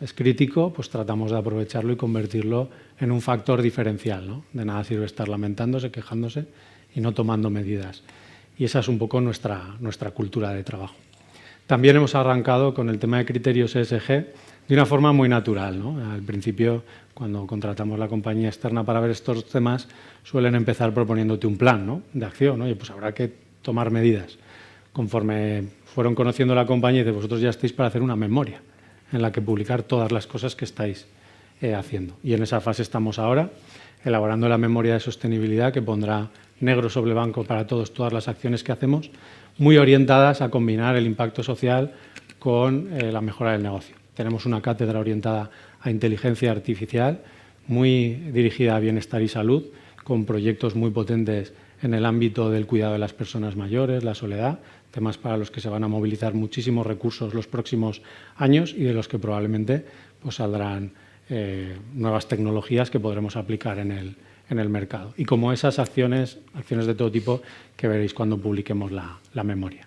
es crítico, pues tratamos de aprovecharlo y convertirlo en un factor diferencial, ¿no? De nada sirve estar lamentándose, quejándose y no tomando medidas. Esa es un poco nuestra cultura de trabajo. También hemos arrancado con el tema de criterios ESG de una forma muy natural, ¿no? Al principio, cuando contratamos la compañía externa para ver estos temas, suelen empezar proponiéndote un plan, ¿no? De acción, ¿no? Pues habrá que tomar medidas. Conforme fueron conociendo la compañía, dice: "Vosotros ya estáis para hacer una memoria en la que publicar todas las cosas que estáis haciendo". En esa fase estamos ahora elaborando la memoria de sostenibilidad que pondrá negro sobre blanco para todos todas las acciones que hacemos, muy orientadas a combinar el impacto social con la mejora del negocio. Tenemos una cátedra orientada a inteligencia artificial, muy dirigida a bienestar y salud, con proyectos muy potentes en el ámbito del cuidado de las personas mayores, la soledad, temas para los que se van a movilizar muchísimos recursos los próximos años y de los que probablemente, pues saldrán nuevas tecnologías que podremos aplicar en el mercado. Como esas acciones de todo tipo que veréis cuando publiquemos la memoria.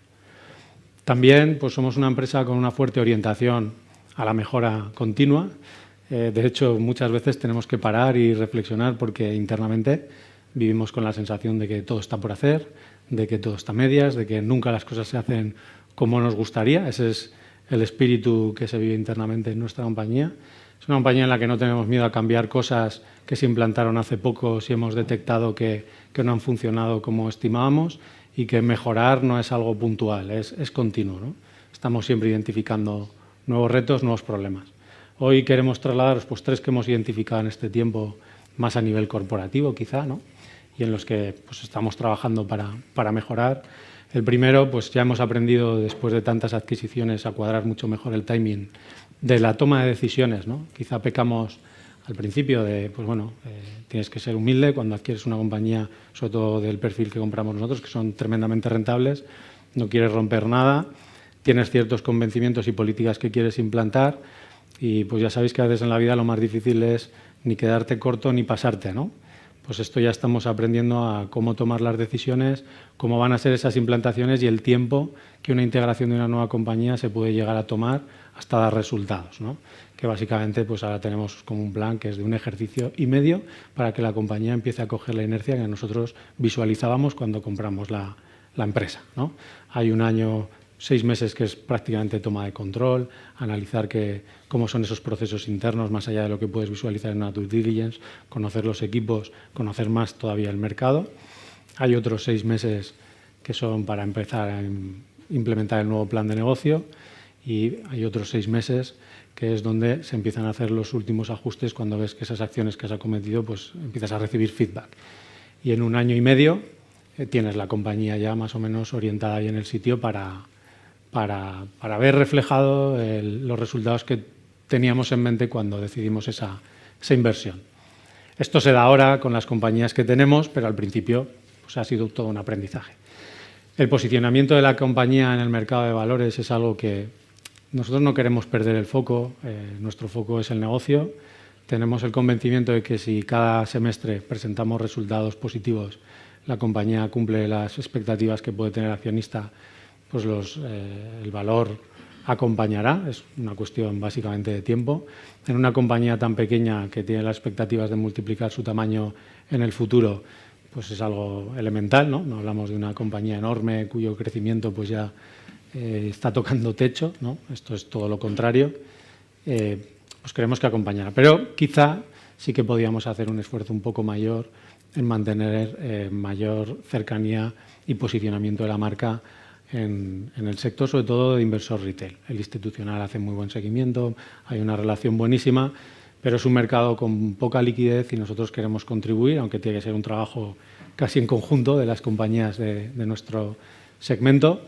Pues somos una empresa con una fuerte orientación a la mejora continua. De hecho, muchas veces tenemos que parar y reflexionar porque internamente vivimos con la sensación de que todo está por hacer, de que todo está a medias, de que nunca las cosas se hacen como nos gustaría. Ese es el espíritu que se vive internamente en nuestra compañía. Es una compañía en la que no tenemos miedo a cambiar cosas que se implantaron hace poco, si hemos detectado que no han funcionado como estimábamos y que mejorar no es algo puntual, es continuo, ¿no? Estamos siempre identificando nuevos retos, nuevos problemas. Hoy queremos trasladaros, pues 3 que hemos identificado en este tiempo, más a nivel corporativo quizá, ¿no? Y en los que, pues estamos trabajando para mejorar. El primero, pues ya hemos aprendido después de tantas adquisiciones a cuadrar mucho mejor el timing de la toma de decisiones, ¿no? Quizá pecamos al principio de, pues bueno, tienes que ser humilde cuando adquieres una compañía, sobre todo del perfil que compramos nosotros, que son tremendamente rentables, no quieres romper nada, tienes ciertos convencimientos y políticas que quieres implantar y, pues ya sabéis que a veces en la vida lo más difícil es ni quedarte corto ni pasarte. Esto, ya estamos aprendiendo a cómo tomar las decisiones, cómo van a ser esas implantaciones y el tiempo que una integración de una nueva compañía se puede llegar a tomar hasta dar resultados. Básicamente, pues ahora tenemos como un plan que es de un ejercicio y medio para que la compañía empiece a coger la inercia que nosotros visualizábamos cuando compramos la empresa. Hay un año, seis meses, que es prácticamente toma de control, analizar qué-- cómo son esos procesos internos más allá de lo que puedes visualizar en una due diligence, conocer los equipos, conocer más todavía el mercado. Hay otros seis meses que son para empezar a implementar el nuevo plan de negocio y hay otros seis meses que es donde se empiezan a hacer los últimos ajustes cuando ves que esas acciones que se han cometido, pues empiezas a recibir feedback. Y en un año y medio, eh, tienes la compañía ya más o menos orientada y en el sitio para, para, para ver reflejado el, los resultados que teníamos en mente cuando decidimos esa, esa inversión. Esto se da ahora con las compañías que tenemos, pero al principio, pues ha sido todo un aprendizaje. El posicionamiento de la compañía en el mercado de valores es algo que nosotros no queremos perder el foco. Nuestro foco es el negocio. Tenemos el convencimiento de que si cada semestre presentamos resultados positivos, la compañía cumple las expectativas que puede tener el accionista, pues los el valor acompañará. Es una cuestión básicamente de tiempo. En una compañía tan pequeña que tiene las expectativas de multiplicar su tamaño en el futuro, pues es algo elemental, ¿no? No hablamos de una compañía enorme cuyo crecimiento, pues ya está tocando techo, ¿no? Esto es todo lo contrario. Pues creemos que acompañará. Quizá sí que podíamos hacer un esfuerzo un poco mayor en mantener mayor cercanía y posicionamiento de la marca en el sector, sobre todo de inversor retail. El institucional hace muy buen seguimiento, hay una relación buenísima, pero es un mercado con poca liquidez y nosotros queremos contribuir, aunque tiene que ser un trabajo casi en conjunto de las compañías de nuestro segmento,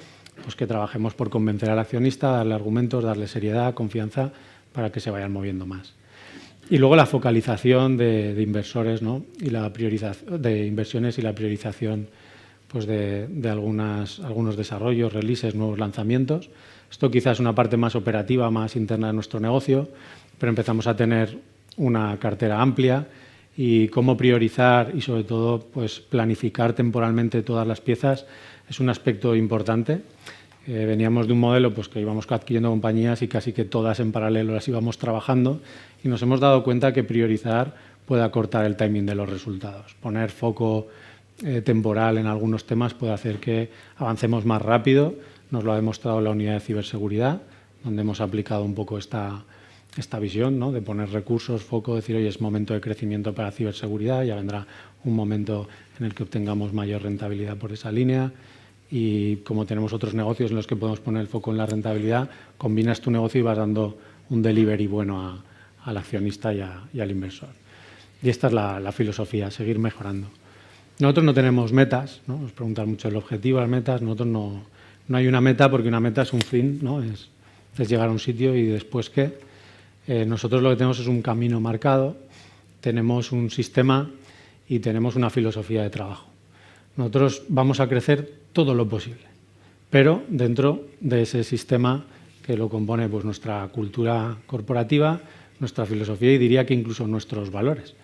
pues que trabajemos por convencer al accionista, darle argumentos, darle seriedad, confianza, para que se vayan moviendo más. Luego la focalización de inversores, ¿no? Y la priorización de inversiones y la priorización, pues de algunas, algunos desarrollos, releases, nuevos lanzamientos. Esto quizás es una parte más operativa, más interna de nuestro negocio, pero empezamos a tener una cartera amplia y cómo priorizar y sobre todo, pues planificar temporalmente todas las piezas, es un aspecto importante. Veníamos de un modelo, pues que íbamos adquiriendo compañías y casi que todas en paralelo las íbamos trabajando y nos hemos dado cuenta que priorizar puede acortar el timing de los resultados. Poner foco temporal en algunos temas puede hacer que avancemos más rápido. Nos lo ha demostrado la unidad de ciberseguridad, donde hemos aplicado un poco esta visión, ¿no? De poner recursos, foco, decir: "Oye, es momento de crecimiento para ciberseguridad, ya vendrá un momento en el que obtengamos mayor rentabilidad por esa línea". Y como tenemos otros negocios en los que podemos poner el foco en la rentabilidad, combinas tu negocio y vas dando un delivery bueno al accionista y al inversor. Y esta es la filosofía, seguir mejorando. Nosotros no tenemos metas, ¿no? Nos preguntan mucho el objetivo, las metas. Nosotros no hay una meta, porque una meta es un fin, ¿no? Es llegar a un sitio y después, ¿qué? Nosotros lo que tenemos es un camino marcado, tenemos un sistema y tenemos una filosofía de trabajo. Nosotros vamos a crecer todo lo posible, pero dentro de ese sistema que lo compone, pues nuestra cultura corporativa, nuestra filosofía y diría que incluso nuestros valores.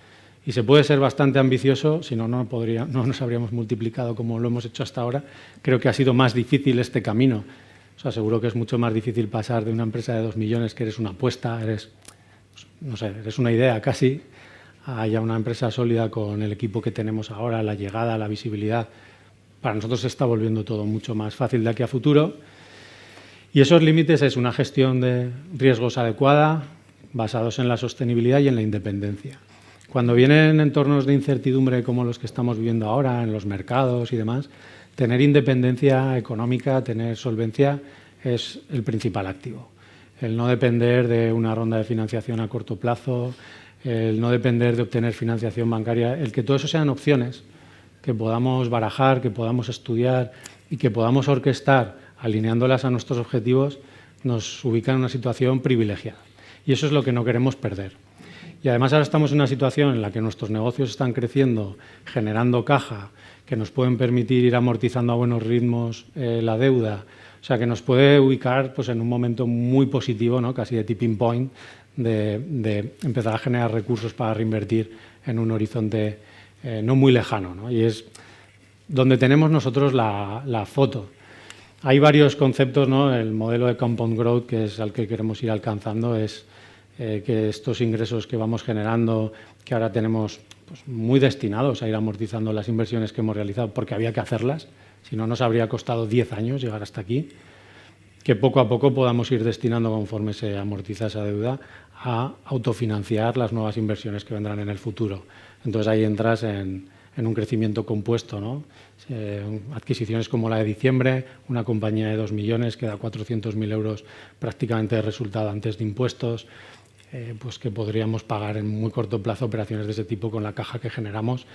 Se puede ser bastante ambicioso, si no nos habríamos multiplicado como lo hemos hecho hasta ahora. Creo que ha sido más difícil este camino. Os aseguro que es mucho más difícil pasar de una empresa de 2 million, que eres una apuesta, eres, pues no sé, eres una idea casi, a ya una empresa sólida con el equipo que tenemos ahora, la llegada, la visibilidad. Para nosotros se está volviendo todo mucho más fácil de aquí a futuro. Esos límites es una gestión de riesgos adecuada, basados en la sostenibilidad y en la independencia. Cuando vienen entornos de incertidumbre como los que estamos viviendo ahora en los mercados y demás, tener independencia económica, tener solvencia, es el principal activo. El no depender de una ronda de financiación a corto plazo, el no depender de obtener financiación bancaria, el que todo eso sean opciones que podamos barajar, que podamos estudiar y que podamos orquestar alineándolas a nuestros objetivos, nos ubica en una situación privilegiada. Eso es lo que no queremos perder. Además, ahora estamos en una situación en la que nuestros negocios están creciendo, generando caja, que nos pueden permitir ir amortizando a buenos ritmos la deuda. Que nos puede ubicar, pues en un momento muy positivo, ¿no? Casi de tipping point, de empezar a generar recursos para reinvertir en un horizonte no muy lejano. Es donde tenemos nosotros la foto. Hay varios conceptos. El modelo de compound growth, que es al que queremos ir alcanzando, es que estos ingresos que vamos generando, que ahora tenemos, pues muy destinados a ir amortizando las inversiones que hemos realizado, porque había que hacerlas, si no nos habría costado 10 años llegar hasta aquí, que poco a poco podamos ir destinando, conforme se amortiza esa deuda, a autofinanciar las nuevas inversiones que vendrán en el futuro. Ahí entras en un crecimiento compuesto. Adquisiciones como la de diciembre, una compañía de 2 million que da 400,000 euros prácticamente de resultado antes de impuestos, pues que podríamos pagar en muy corto plazo operaciones de ese tipo con la caja que generamos.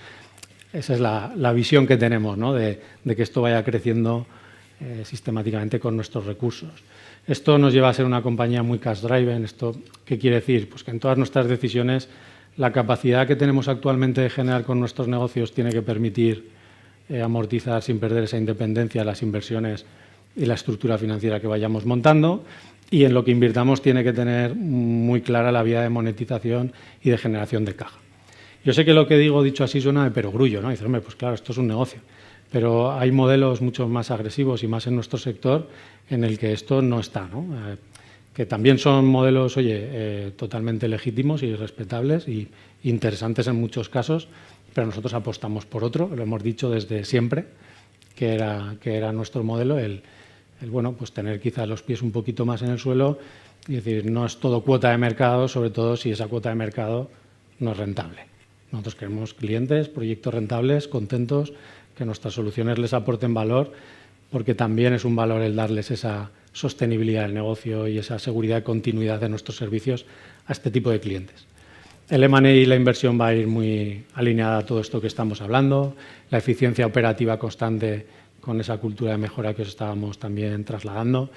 Esa es la visión que tenemos, ¿no? De que esto vaya creciendo sistemáticamente con nuestros recursos. Esto nos lleva a ser una compañía muy cash-driven. Esto, ¿qué quiere decir? Pues que en todas nuestras decisiones, la capacidad que tenemos actualmente de generar con nuestros negocios tiene que permitir amortizar sin perder esa independencia las inversiones y la estructura financiera que vayamos montando y en lo que invirtamos tiene que tener muy clara la vía de monetización y de generación de caja. Yo sé que lo que digo dicho así suena de perogrullo, ¿no? Y dices: "Hombre, pues claro, esto es un negocio". Hay modelos mucho más agresivos y más en nuestro sector en el que esto no está, ¿no? Que también son modelos, oye, totalmente legítimos y respetables y interesantes en muchos casos, pero nosotros apostamos por otro. Lo hemos dicho desde siempre, que era nuestro modelo, el, bueno, pues tener quizás los pies un poquito más en el suelo y decir: no es todo cuota de mercado, sobre todo si esa cuota de mercado no es rentable. Nosotros queremos clientes, proyectos rentables, contentos, que nuestras soluciones les aporten valor, porque también es un valor el darles esa sostenibilidad del negocio y esa seguridad de continuidad de nuestros servicios a este tipo de clientes. El M&A y la inversión va a ir muy alineada a todo esto que estamos hablando. La eficiencia operativa constante con esa cultura de mejora que os estábamos también trasladando.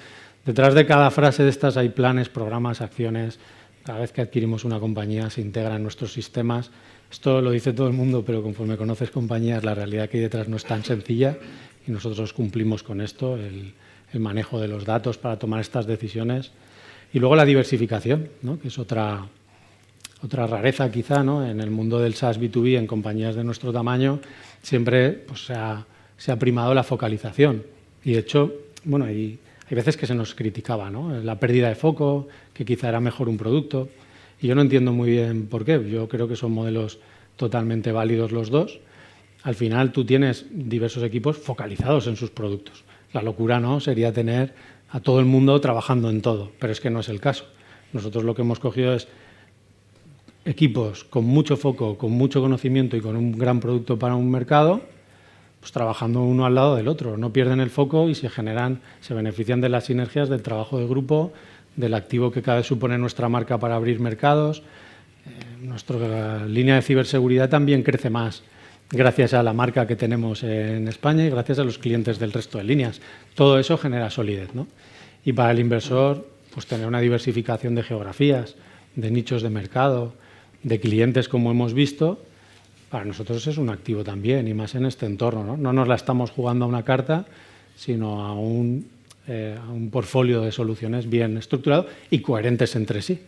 Detrás de cada frase de estas hay planes, programas, acciones. Cada vez que adquirimos una compañía, se integra en nuestros sistemas. Conforme conoces compañías, la realidad que hay detrás no es tan sencilla y nosotros cumplimos con esto, el manejo de los datos para tomar estas decisiones. Luego la diversificación, ¿no? Que es otra rareza, quizá, ¿no? En el mundo del SaaS B2B, en compañías de nuestro tamaño, siempre se ha primado la focalización. De hecho, hay veces que se nos criticaba, ¿no? La pérdida de foco, que quizá era mejor un producto. Yo no entiendo muy bien por qué. Yo creo que son modelos totalmente válidos los dos. Al final tú tienes diversos equipos focalizados en sus productos. La locura, ¿no?, sería tener a todo el mundo trabajando en todo, pero es que no es el caso. Nosotros lo que hemos cogido es equipos con mucho foco, con mucho conocimiento y con un gran producto para un mercado, pues trabajando uno al lado del otro. No pierden el foco y se generan, se benefician de las sinergias del trabajo de grupo, del activo que cada vez supone nuestra marca para abrir mercados. Nuestra línea de ciberseguridad también crece más gracias a la marca que tenemos en España y gracias a los clientes del resto de líneas. Todo eso genera solidez, ¿no? Y para el inversor, pues tener una diversificación de geografías, de nichos de mercado, de clientes, como hemos visto, para nosotros es un activo también, y más en este entorno, ¿no? No nos la estamos jugando a una carta, sino a un portfolio de soluciones bien estructurado y coherentes entre sí.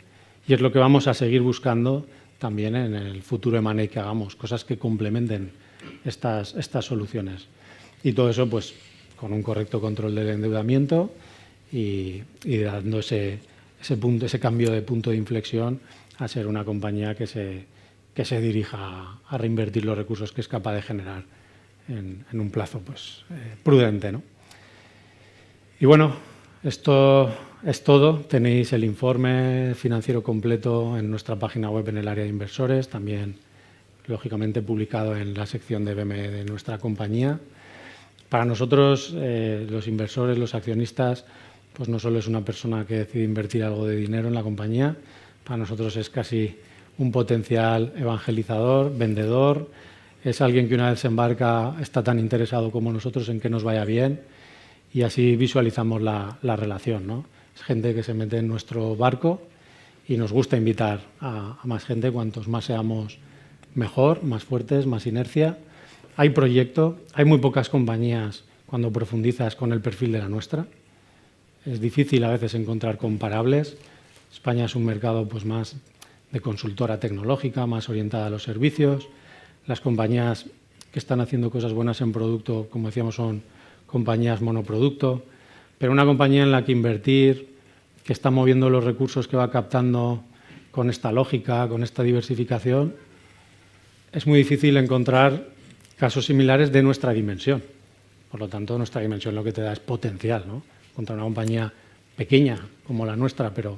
Es lo que vamos a seguir buscando también en el futuro M&A que hagamos, cosas que complementen estas soluciones. Todo eso, con un correcto control del endeudamiento y dándose ese cambio de punto de inflexión a ser una compañía que se dirija a reinvertir los recursos que es capaz de generar en un plazo prudente, no? Esto es todo. Tenéis el informe financiero completo en nuestra página web, en el área de inversores. También, lógicamente, publicado en la sección de BME de nuestra compañía. Para nosotros, los inversores, los accionistas, no solo es una persona que decide invertir algo de dinero en la compañía. Para nosotros es casi un potencial evangelizador, vendedor. Es alguien que una vez se embarca está tan interesado como nosotros en que nos vaya bien y así visualizamos la relación, ¿no? Es gente que se mete en nuestro barco y nos gusta invitar a más gente. Cuantos más seamos, mejor, más fuertes, más inercia. Hay proyecto. Hay muy pocas compañías cuando profundizas con el perfil de la nuestra. Es difícil a veces encontrar comparables. España es un mercado, pues más de consultora tecnológica, más orientada a los servicios. Las compañías que están haciendo cosas buenas en producto, como decíamos, son compañías monoproducto. Una compañía en la que invertir, que está moviendo los recursos que va captando con esta lógica, con esta diversificación, es muy difícil encontrar casos similares de nuestra dimensión. Nuestra dimensión lo que te da es potencial, ¿no? Contra una compañía pequeña como la nuestra, pero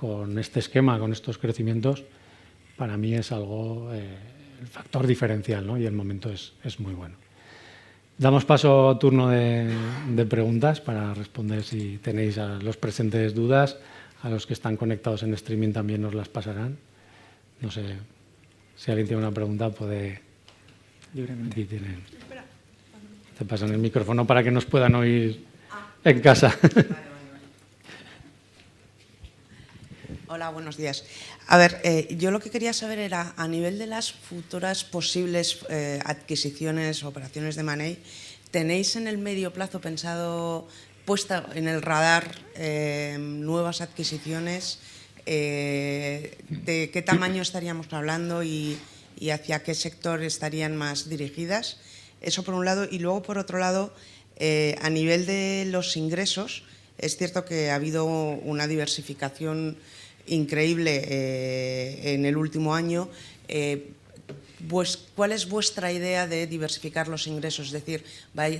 con este esquema, con estos crecimientos, para mí es algo factor diferencial, ¿no? El momento es muy bueno. Damos paso a turno de preguntas para responder si tenéis los presentes dudas. A los que están conectados en streaming también nos las pasarán. No sé si alguien tiene una pregunta, puede... Libremente. Te pasan el micrófono para que nos puedan oír en casa. Vale, vale. Hola, buenos días. A ver, yo lo que quería saber era a nivel de las futuras posibles adquisiciones u operaciones de M&A, ¿tenéis en el medio plazo puesta en el radar nuevas adquisiciones? ¿De qué tamaño estaríamos hablando y hacia qué sector estarían más dirigidas? Eso por un lado. Luego, por otro lado, a nivel de los ingresos, es cierto que ha habido una diversificación increíble en el último año. Pues, ¿cuál es vuestra idea de diversificar los ingresos? Es decir,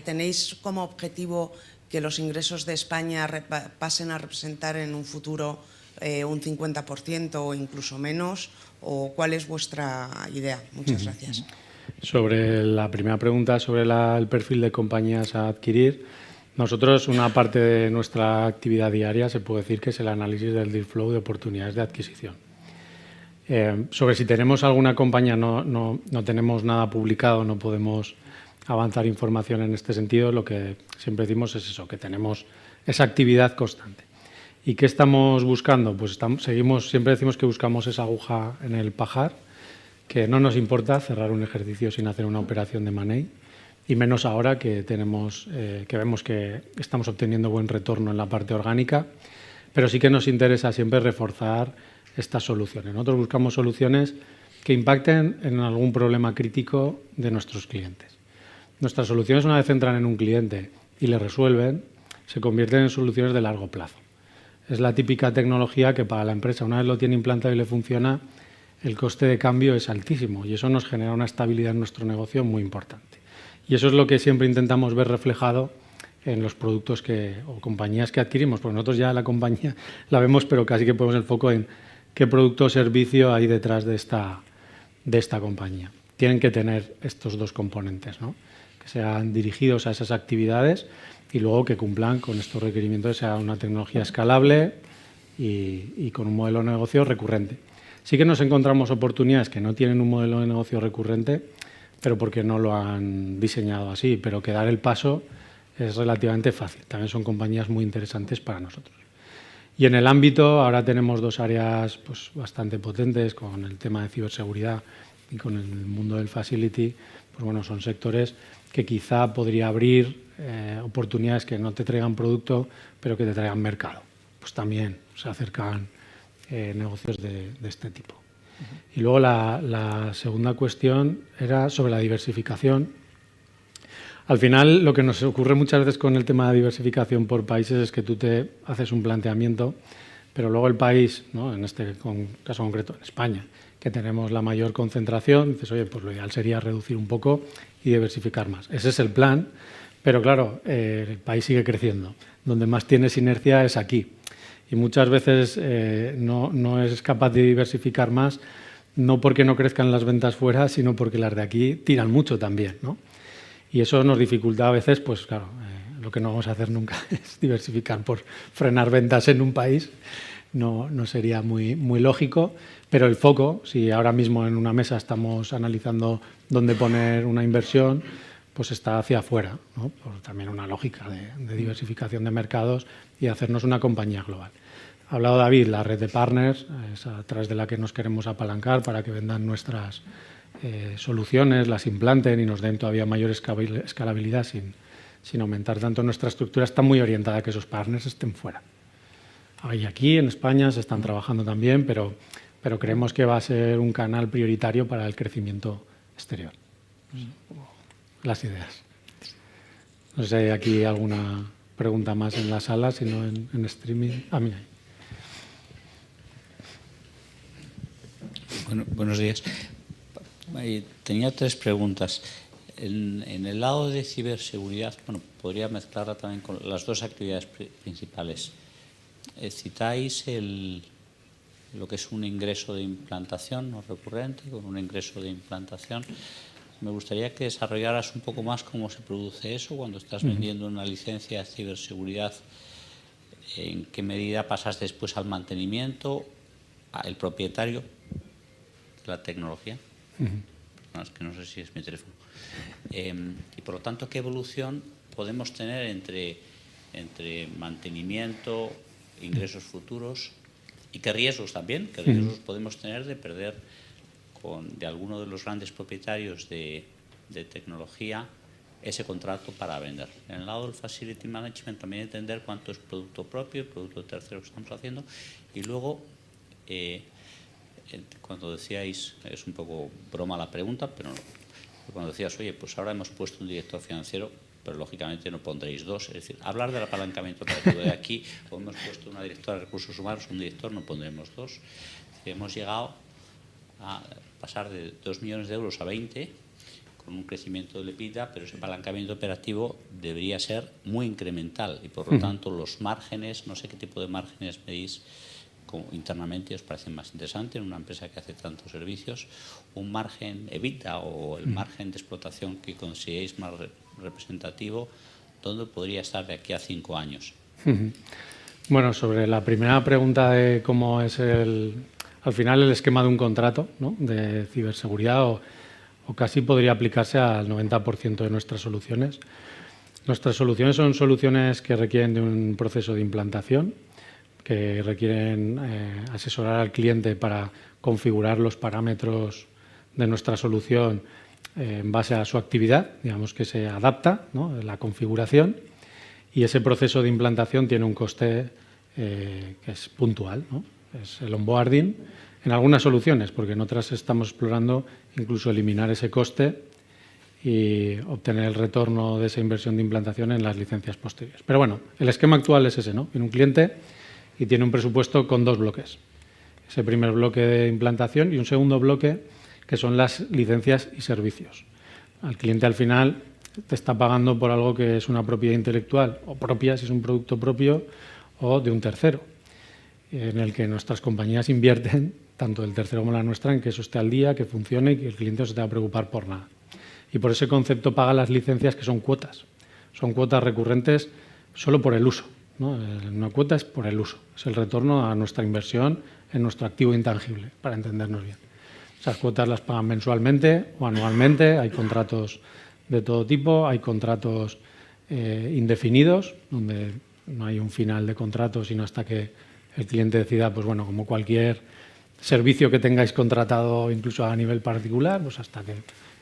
tenéis como objetivo que los ingresos de España pasen a representar en un futuro un 50% o incluso menos, o cuál es vuestra idea. Muchas gracias. Sobre la primera pregunta, sobre el perfil de compañías a adquirir, nosotros una parte de nuestra actividad diaria se puede decir que es el análisis del deal flow de oportunidades de adquisición. Sobre si tenemos alguna compañía, no tenemos nada publicado, no podemos avanzar información en este sentido. Lo que siempre decimos es eso, que tenemos esa actividad constante. Qué estamos buscando? Seguimos siempre decimos que buscamos esa aguja en el pajar, que no nos importa cerrar un ejercicio sin hacer una operación de M&A, y menos ahora que tenemos, que vemos que estamos obteniendo buen retorno en la parte orgánica, pero sí que nos interesa siempre reforzar estas soluciones. Nosotros buscamos soluciones que impacten en algún problema crítico de nuestros clientes. Nuestras soluciones, una vez entran en un cliente y le resuelven, se convierten en soluciones de largo plazo. Es la típica tecnología que para la empresa, una vez lo tiene implantado y le funciona, el coste de cambio es altísimo y eso nos genera una estabilidad en nuestro negocio muy importante. Eso es lo que siempre intentamos ver reflejado en los productos que o compañías que adquirimos, porque nosotros ya la compañía la vemos, pero casi que ponemos el foco en qué producto o servicio hay detrás de esta compañía. Tienen que tener estos dos componentes, ¿no? Que sean dirigidos a esas actividades y luego que cumplan con estos requerimientos, que sea una tecnología escalable y con un modelo de negocio recurrente. Nos encontramos oportunidades que no tienen un modelo de negocio recurrente, pero porque no lo han diseñado así, pero que dar el paso es relativamente fácil. Son compañías muy interesantes para nosotros. En el ámbito, ahora tenemos dos áreas bastante potentes con el tema de ciberseguridad y con el mundo del facility, son sectores que quizá podría abrir oportunidades que no te traigan producto, pero que te traigan mercado. También se acercan negocios de este tipo. Luego la segunda cuestión era sobre la diversificación. Al final, lo que nos ocurre muchas veces con el tema de diversificación por países es que tú te haces un planteamiento, pero luego el país, ¿no? En este caso concreto, en España, que tenemos la mayor concentración, dices: "Oye, pues lo ideal sería reducir un poco y diversificar más." Ese es el plan. Claro, el país sigue creciendo. Donde más tienes inercia es aquí. Muchas veces, no eres capaz de diversificar más, no porque no crezcan las ventas fuera, sino porque las de aquí tiran mucho también. Eso nos dificulta a veces, pues claro, lo que no vamos a hacer nunca es diversificar por frenar ventas en un país. No, no sería muy lógico. El foco, si ahora mismo en una mesa estamos analizando dónde poner una inversión, pues está hacia afuera. Por también una lógica de diversificación de mercados y hacernos una compañía global. Ha hablado David, la red de partners, es a través de la que nos queremos apalancar para que vendan nuestras soluciones, las implanten y nos den todavía mayor escalabilidad sin aumentar tanto nuestra estructura, está muy orientada a que esos partners estén fuera. Ahora, y aquí en España se están trabajando también, pero creemos que va a ser un canal prioritario para el crecimiento exterior. Las ideas. No sé si hay aquí alguna pregunta más en la sala, si no en streaming? Mira, ahí. Buenos días. Tenía tres preguntas. En el lado de ciberseguridad, podría mezclarla también con las dos actividades principales. Citáis lo que es un ingreso de implantación no recurrente con un ingreso de implantación. Me gustaría que desarrollaras un poco más cómo se produce eso cuando estás vendiendo una licencia de ciberseguridad, en qué medida pasas después al mantenimiento, el propietario de la tecnología. Mhm. Es que no sé si es mi teléfono. Qué evolución podemos tener entre mantenimiento, ingresos futuros y qué riesgos también... Mhm. ...qué riesgos podemos tener de perder de alguno de los grandes propietarios de tecnología ese contrato para vender. En el lado del facility management, también entender cuánto es producto propio, producto tercero que estamos haciendo. Luego, cuando decíais, es un poco broma la pregunta, pero cuando decías: "Oye, pues ahora hemos puesto un director financiero", pero lógicamente no pondréis two. Es decir, hablar del apalancamiento operativo de aquí, como hemos puesto una directora de recursos humanos, un director, no pondremos two. Hemos llegado a pasar de EUR 2 million a 20 con un crecimiento de EBITDA, pero ese apalancamiento operativo debería ser muy incremental y, por lo tanto, los márgenes, no sé qué tipo de márgenes veis internamente os parecen más interesantes en una empresa que hace tantos servicios. Un margen EBITDA o el margen de explotación que consideréis más representativo, ¿dónde podría estar de aquí a 5 años? Sobre la primera pregunta de cómo es al final el esquema de un contrato, ¿no? De ciberseguridad o casi podría aplicarse al 90% de nuestras soluciones. Nuestras soluciones son soluciones que requieren de un proceso de implantación, que requieren asesorar al cliente para configurar los parámetros de nuestra solución en base a su actividad. Digamos que se adapta, ¿no? La configuración. Ese proceso de implantación tiene un coste que es puntual, ¿no? Es el onboarding. En algunas soluciones, porque en otras estamos explorando incluso eliminar ese coste y obtener el retorno de esa inversión de implantación en las licencias posteriores. El esquema actual es ese, ¿no? En un cliente y tiene un presupuesto con dos bloques. Ese primer bloque de implantación y un segundo bloque, que son las licencias y servicios. Al cliente al final te está pagando por algo que es una propiedad intelectual o propia, si es un producto propio o de un tercero, en el que nuestras compañías invierten, tanto del tercero como la nuestra, en que eso esté al día, que funcione y que el cliente no se tenga que preocupar por nada. Por ese concepto paga las licencias, que son cuotas. Son cuotas recurrentes solo por el uso, ¿no? Una cuota es por el uso, es el retorno a nuestra inversión en nuestro activo intangible, para entendernos bien. Esas cuotas las pagan mensualmente o anualmente. Hay contratos de todo tipo. Hay contratos indefinidos, donde no hay un final de contrato sino hasta que el cliente decida, pues bueno, como cualquier servicio que tengáis contratado, incluso a nivel particular, pues hasta que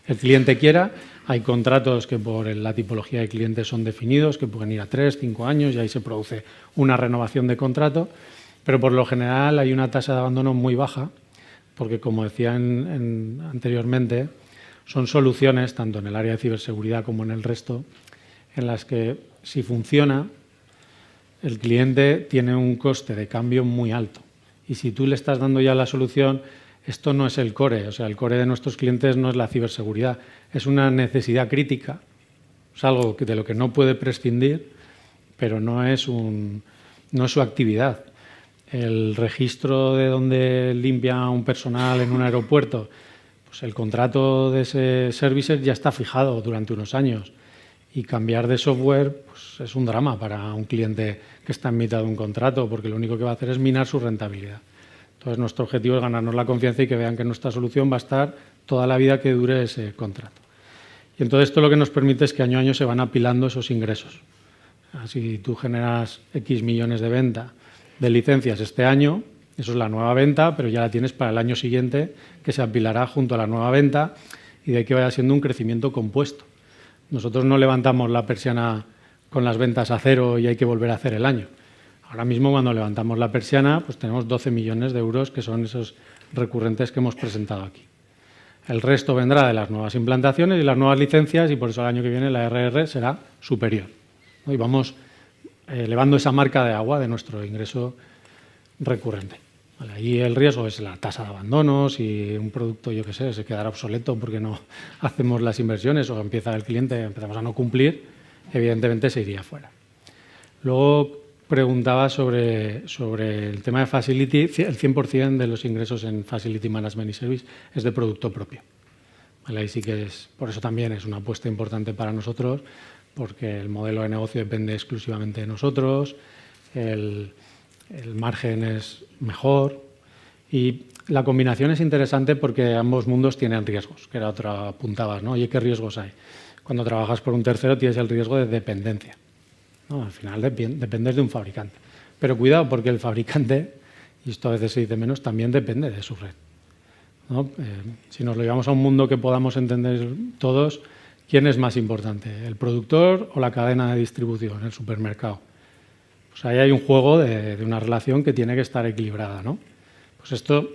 el cliente quiera. Hay contratos que por la tipología de clientes son definidos, que pueden ir a 3, 5 años y ahí se produce una renovación de contrato. Por lo general hay una tasa de abandono muy baja, porque como decía anteriormente, son soluciones tanto en el área de ciberseguridad como en el resto, en las que si funciona, el cliente tiene un coste de cambio muy alto. Y si tú le estás dando ya la solución, esto no es el core. El core de nuestros clientes no es la ciberseguridad, es una necesidad crítica, es algo de lo que no puede prescindir, pero no es su actividad. El registro de donde limpia un personal en un aeropuerto, pues el contrato de ese service ya está fijado durante unos años. Cambiar de software, pues es un drama para un cliente que está en mitad de un contrato, porque lo único que va a hacer es minar su rentabilidad. Nuestro objetivo es ganarnos la confianza y que vean que nuestra solución va a estar toda la vida que dure ese contrato. Esto lo que nos permite es que año a año se van apilando esos ingresos. Si tú generas X million EUR de venta de licencias este año, eso es la nueva venta, pero ya la tienes para el año siguiente, que se apilará junto a la nueva venta y de que vaya siendo un crecimiento compuesto. Nosotros no levantamos la persiana con las ventas a cero y hay que volver a hacer el año. Cuando levantamos la persiana, pues tenemos 12 million euros, que son esos recurrentes que hemos presentado aquí. El resto vendrá de las nuevas implantaciones y las nuevas licencias y por eso el año que viene la ARR será superior, ¿no? Vamos elevando esa marca de agua de nuestro ingreso recurrente. Ahí el riesgo es la tasa de abandonos y un producto, yo qué sé, se quedará obsoleto porque no hacemos las inversiones o empieza el cliente, empezamos a no cumplir, evidentemente, se iría fuera. Preguntabas sobre el tema de facility. El 100% de los ingresos en facility management service es de producto propio. Ahí sí que por eso también es una apuesta importante para nosotros, porque el modelo de negocio depende exclusivamente de nosotros, el margen es mejor y la combinación es interesante porque ambos mundos tienen riesgos, que era otro apuntabas, ¿no? ¿Qué riesgos hay? Cuando trabajas por un tercero, tienes el riesgo de dependencia, ¿no? Dependes de un fabricante. Cuidado, porque el fabricante, y esto a veces se dice menos, también depende de su red, ¿no? Si nos lo llevamos a un mundo que podamos entender todos, ¿quién es más importante, el productor o la cadena de distribución, el supermercado? Ahí hay un juego de una relación que tiene que estar equilibrada, ¿no? Esto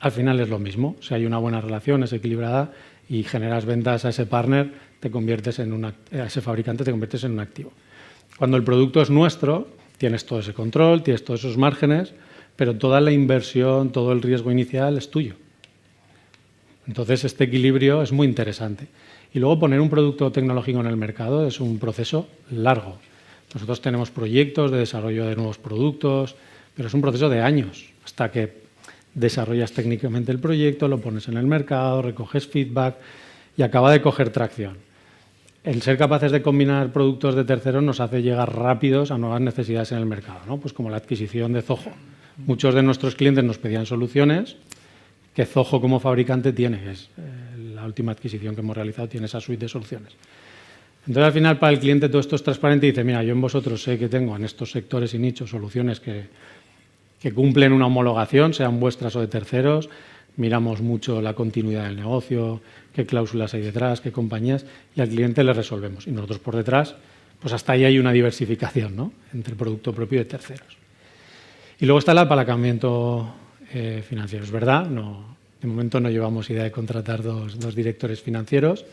al final es lo mismo. Si hay una buena relación, es equilibrada y generas ventas a ese partner, a ese fabricante, te conviertes en un activo. Cuando el producto es nuestro, tienes todo ese control, tienes todos esos márgenes, pero toda la inversión, todo el riesgo inicial es tuyo. Este equilibrio es muy interesante. Luego, poner un producto tecnológico en el mercado es un proceso largo. Nosotros tenemos proyectos de desarrollo de nuevos productos, pero es un proceso de años hasta que desarrollas técnicamente el proyecto, lo pones en el mercado, recoges feedback y acaba de coger tracción. El ser capaces de combinar productos de terceros nos hace llegar rápidos a nuevas necesidades en el mercado, ¿no? Pues como la adquisición de Zoho. Muchos de nuestros clientes nos pedían soluciones que Zoho como fabricante tiene, es, la última adquisición que hemos realizado, tiene esa suite de soluciones. Entonces, al final, para el cliente todo esto es transparente y dice: «Mira, yo en vosotros sé que tengo en estos sectores y nichos soluciones que cumplen una homologación, sean vuestras o de terceros». Miramos mucho la continuidad del negocio, qué cláusulas hay detrás, qué compañías, y al cliente le resolvemos. Nosotros por detrás, pues hasta ahí hay una diversificación, ¿no?, entre producto propio y de terceros. Luego está el apalancamiento financiero. Es verdad, no, de momento no llevamos idea de contratar 2 directores financieros.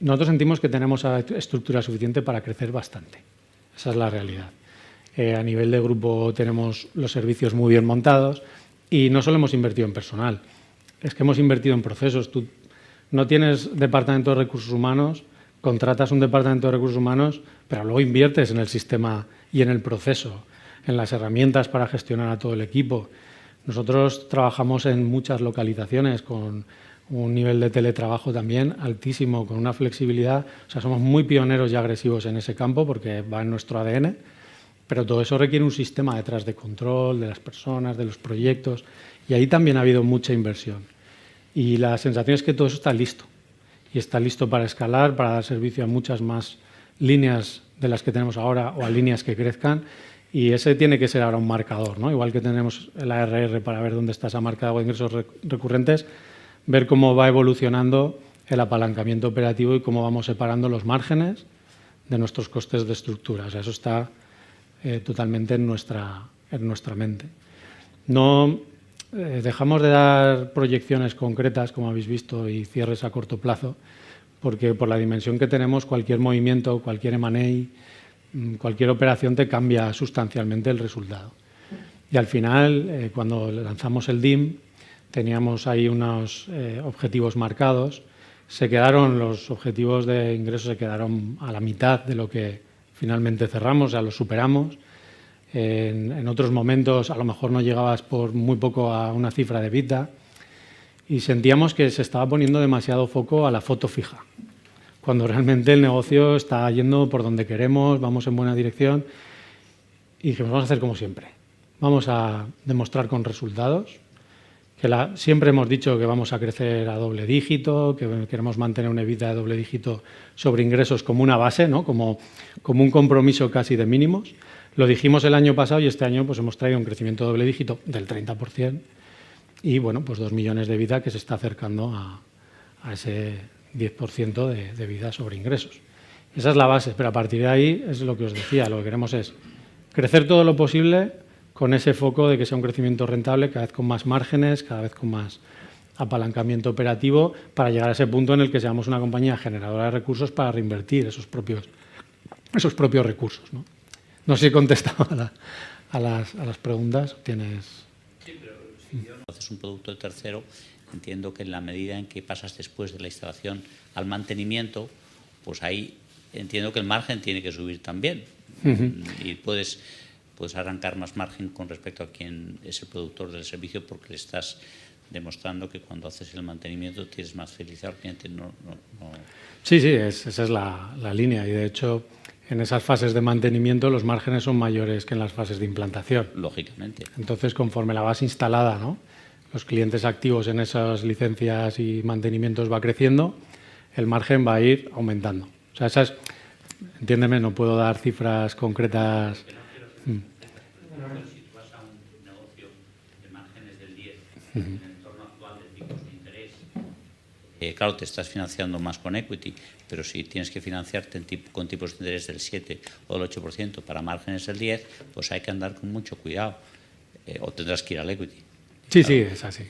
Nosotros sentimos que tenemos estructura suficiente para crecer bastante. Esa es la realidad. A nivel de grupo tenemos los servicios muy bien montados y no solo hemos invertido en personal, es que hemos invertido en procesos. Tú no tienes departamento de recursos humanos, contratas un departamento de recursos humanos, pero luego inviertes en el sistema y en el proceso, en las herramientas para gestionar a todo el equipo. Nosotros trabajamos en muchas localizaciones con un nivel de teletrabajo también altísimo, con una flexibilidad. O sea, somos muy pioneros y agresivos en ese campo porque va en nuestro ADN. Todo eso requiere un sistema detrás de control de las personas, de los proyectos. Ahí también ha habido mucha inversión. La sensación es que todo eso está listo. Está listo para escalar, para dar servicio a muchas más líneas de las que tenemos ahora o a líneas que crezcan. Ese tiene que ser ahora un marcador, ¿no? Igual que tenemos la ARR para ver dónde está esa marca de ingresos recurrentes, ver cómo va evolucionando el apalancamiento operativo y cómo vamos separando los márgenes de nuestros costes de estructura. O sea, eso está totalmente en nuestra mente. No dejamos de dar proyecciones concretas, como habéis visto, y cierres a corto plazo, porque por la dimensión que tenemos, cualquier movimiento, cualquier M&A, cualquier operación te cambia sustancialmente el resultado. Al final, cuando lanzamos el DIIM, teníamos ahí unos objetivos marcados. Se quedaron los objetivos de ingresos, se quedaron a la mitad de lo que finalmente cerramos, o sea, los superamos. En otros momentos, a lo mejor no llegabas por muy poco a una cifra de EBITDA y sentíamos que se estaba poniendo demasiado foco a la foto fija, cuando realmente el negocio está yendo por donde queremos, vamos en buena dirección y dijimos: «Vamos a hacer como siempre». Vamos a demostrar con resultados que siempre hemos dicho que vamos a crecer a doble dígito, que queremos mantener un EBITDA de doble dígito sobre ingresos como una base, ¿no? Como un compromiso casi de mínimos. Lo dijimos el año pasado y este año hemos traído un crecimiento de double-digit del 30% y 2 million de EBITDA que se está acercando a ese 10% de EBITDA sobre ingresos. Esa es la base. A partir de ahí, es lo que os decía, lo que queremos es crecer todo lo posible con ese foco de que sea un crecimiento rentable, cada vez con más márgenes, cada vez con más apalancamiento operativo, para llegar a ese punto en el que seamos una compañía generadora de recursos para reinvertir esos propios recursos, ¿no? No sé si he contestado a las preguntas. Tienes... Sí, pero si yo no es un producto de tercero, entiendo que en la medida en que pasas después de la instalación al mantenimiento, pues ahí entiendo que el margen tiene que subir también. Mhm. Puedes arrancar más margen con respecto a quien es el productor del servicio, porque le estás demostrando que cuando haces el mantenimiento tienes más fidelidad. Obviamente, no. Sí, esa es la línea. De hecho, en esas fases de mantenimiento los márgenes son mayores que en las fases de implantación. Lógicamente. Conforme la base instalada, ¿no?, los clientes activos en esas licencias y mantenimientos va creciendo, el margen va a ir aumentando. Entiéndeme, no puedo dar cifras concretas. Financieras. En el entorno actual de tipos de interés, claro, te estás financiando más con equity, pero si tienes que financiarte con tipos de interés del 7 o el 8% para márgenes del 10, pues hay que andar con mucho cuidado, o tendrás que ir al equity. Sí, sí, es así.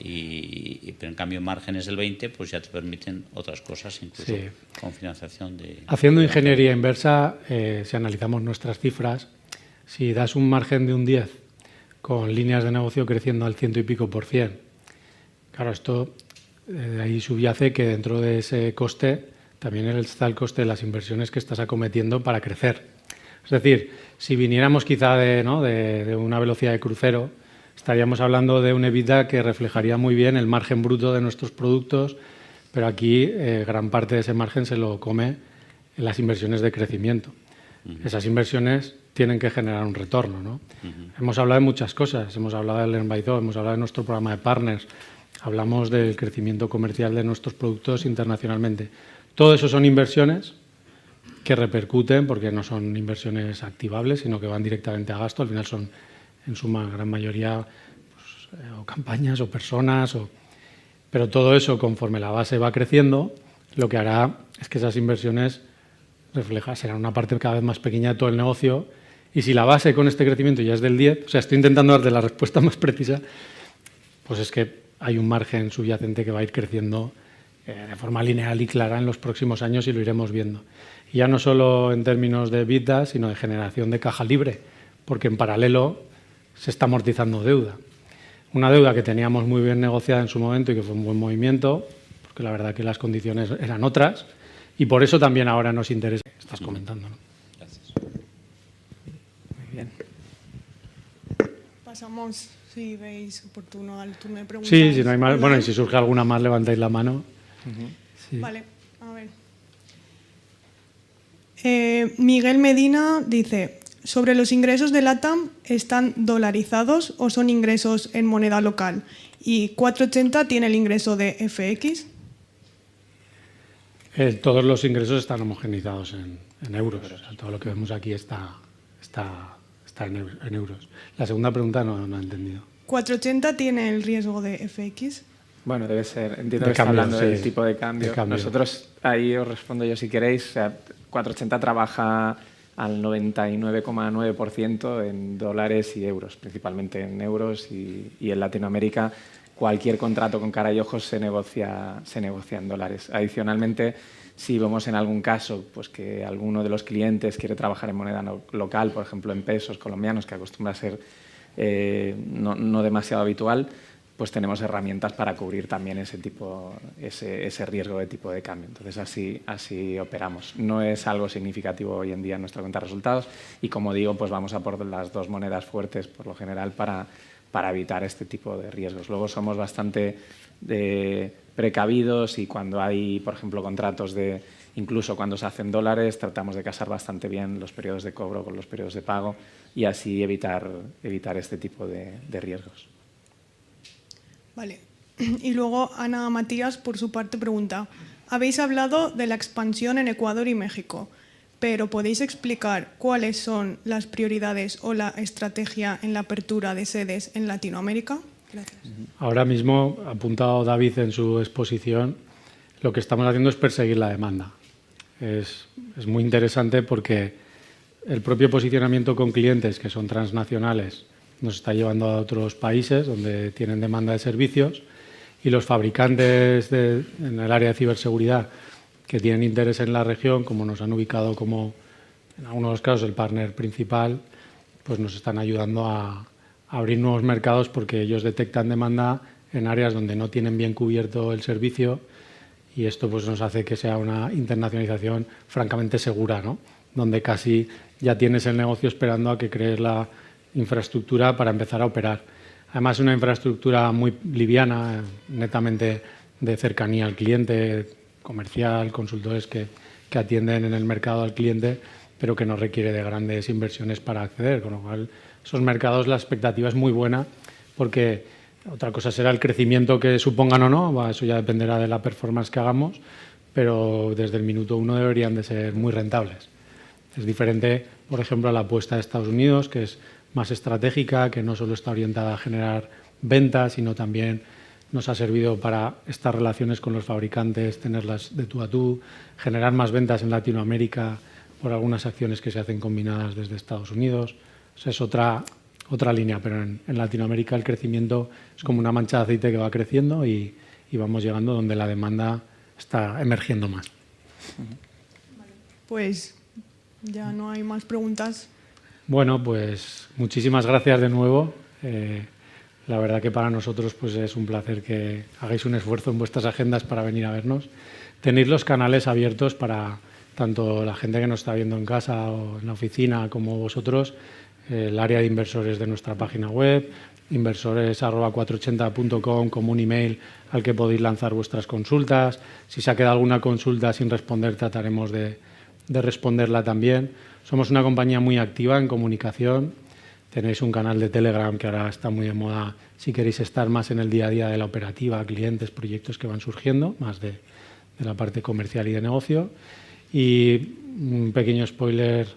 En cambio, márgenes del 20, pues ya te permiten otras cosas. Sí. Incluso con financiación. Haciendo ingeniería inversa, si analizamos nuestras cifras, si das un margen de 10% con líneas de negocio creciendo al 100%+. Claro, esto, ahí subyace que dentro de ese coste también está el coste de las inversiones que estás acometiendo para crecer. Es decir, si viniéramos quizá de una velocidad de crucero, estaríamos hablando de un EBITDA que reflejaría muy bien el margen bruto de nuestros productos. Pero aquí, gran parte de ese margen se lo come las inversiones de crecimiento. Esas inversiones tienen que generar un retorno, ¿no? Mhm. Hemos hablado de muchas cosas. Hemos hablado del Learnby-do, hemos hablado de nuestro programa de partners, hablamos del crecimiento comercial de nuestros productos internacionalmente. Todo eso son inversiones que repercuten porque no son inversiones activables, sino que van directamente a gasto. Al final son, en suma, gran mayoría, pues o campañas o personas o... Todo eso, conforme la base va creciendo, lo que hará es que esas inversiones serán una parte cada vez más pequeña de todo el negocio. Si la base con este crecimiento ya es del 10, o sea, estoy intentando darte la respuesta más precisa, pues es que hay un margen subyacente que va a ir creciendo de forma lineal y clara en los próximos años y lo iremos viendo. No solo en términos de EBITDA, sino de generación de caja libre, porque en paralelo se está amortizando deuda. Una deuda que teníamos muy bien negociada en su momento y que fue un buen movimiento, porque la verdad que las condiciones eran otras y por eso también ahora nos interesa. Estás comentando, ¿no? Gracias. Muy bien. Pasamos, si veis oportuno dar turno de preguntas. Sí, si no hay más. Bueno, si surge alguna más, levantáis la mano. Vale. A ver. Miguel Medina dice: «Sobre los ingresos de LATAM, ¿están dolarizados o son ingresos en moneda local? ¿480 tiene el ingreso de FX?». Todos los ingresos están homogeneizados en euros. Todo lo que vemos aquí está en euros. La segunda pregunta no he entendido. 480 tiene el riesgo de FX? Bueno, debe ser. De cambio, sí. Entiendo que estás hablando del tipo de cambio. Nosotros ahí os respondo yo, si queréis. 480 trabaja al 99.9% en USD and EUR, principalmente en EUR y en Latinoamérica, cualquier contrato con cara y ojos se negocia en USD. Adicionalmente, si vemos en algún caso, pues que alguno de los clientes quiere trabajar en moneda local, por ejemplo, en COP, que acostumbra a ser no demasiado habitual, pues tenemos herramientas para cubrir también ese tipo de riesgo de tipo de cambio. Así operamos. No es algo significativo hoy en día en nuestra cuenta de resultados y como digo, pues vamos a por las 2 monedas fuertes, por lo general, para evitar este tipo de riesgos. Somos bastante precavidos y cuando hay, por ejemplo, contratos incluso cuando se hace en USD, tratamos de casar bastante bien los periodos de cobro con los periodos de pago y así evitar este tipo de riesgos. Ana Matías, por su parte, pregunta: «Habéis hablado de la expansión en Ecuador y México, pero, ¿podéis explicar cuáles son las prioridades o la estrategia en la apertura de sedes en Latinoamérica? Gracias». Ahora mismo, ha apuntado David en su exposición, lo que estamos haciendo es perseguir la demanda. Es muy interesante porque el propio posicionamiento con clientes que son transnacionales nos está llevando a otros países donde tienen demanda de servicios y los fabricantes en el área de ciberseguridad que tienen interés en la región, como nos han ubicado como en algunos casos el partner principal, pues nos están ayudando a abrir nuevos mercados porque ellos detectan demanda en áreas donde no tienen bien cubierto el servicio. Esto, pues nos hace que sea una internacionalización francamente segura, ¿no? Donde casi ya tienes el negocio esperando a que crees la infraestructura para empezar a operar. Además, una infraestructura muy liviana, netamente de cercanía al cliente comercial, consultores que atienden en el mercado al cliente, pero que no requiere de grandes inversiones para acceder. Esos mercados la expectativa es muy buena, porque otra cosa será el crecimiento que supongan o no, eso ya dependerá de la performance que hagamos, pero desde el minuto uno deberían de ser muy rentables. Es diferente, por ejemplo, a la apuesta de Estados Unidos, que es más estratégica, que no solo está orientada a generar ventas, sino también nos ha servido para estas relaciones con los fabricantes, tenerlas de tú a tú, generar más ventas en Latinoamérica por algunas acciones que se hacen combinadas desde Estados Unidos. Esa es otra línea, en Latinoamérica el crecimiento es como una mancha de aceite que va creciendo y vamos llegando donde la demanda está emergiendo más. Vale. Pues ya no hay más preguntas. Muchísimas gracias de nuevo. La verdad que para nosotros, es un placer que hagáis un esfuerzo en vuestras agendas para venir a vernos. Tenéis los canales abiertos para tanto la gente que nos está viendo en casa o en la oficina como vosotros. El área de inversores de nuestra página web, inversores@480.com, como un email al que podéis lanzar vuestras consultas. Si se ha quedado alguna consulta sin responder, trataremos de responderla también. Somos una compañía muy activa en comunicación. Tenéis un canal de Telegram que ahora está muy de moda. Si queréis estar más en el día a día de la operativa, clientes, proyectos que van surgiendo, más de la parte comercial y de negocio. Un pequeño espóiler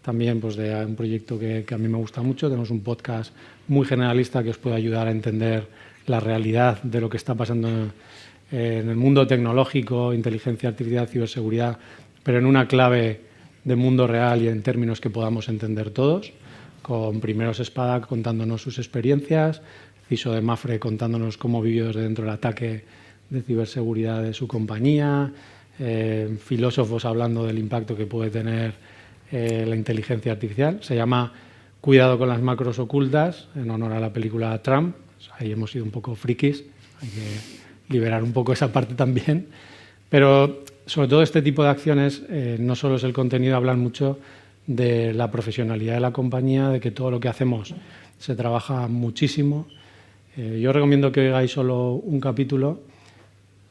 también de un proyecto que a mí me gusta mucho. Tenemos un podcast muy generalista que os puede ayudar a entender la realidad de lo que está pasando en el mundo tecnológico, inteligencia artificial, ciberseguridad, pero en una clave de mundo real y en términos que podamos entender todos. Con primeros espada contándonos sus experiencias, el CISO de MAPFRE contándonos cómo vivió desde dentro el ataque de ciberseguridad de su compañía, filósofos hablando del impacto que puede tener la inteligencia artificial. Se llama Cuidado con las macros ocultas en honor a la película a Trump. Ahí hemos sido un poco frikis. Hay que liberar un poco esa parte también. Sobre todo este tipo de acciones, no solo es el contenido, hablan mucho de la profesionalidad de la compañía, de que todo lo que hacemos se trabaja muchísimo. Yo recomiendo que oigáis solo un capítulo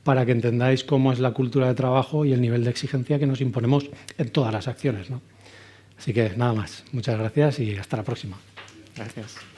para que entendáis cómo es la cultura de trabajo y el nivel de exigencia que nos imponemos en todas las acciones, ¿no? Nada más. Muchas gracias y hasta la próxima. Gracias. Se han cortado, ¿no?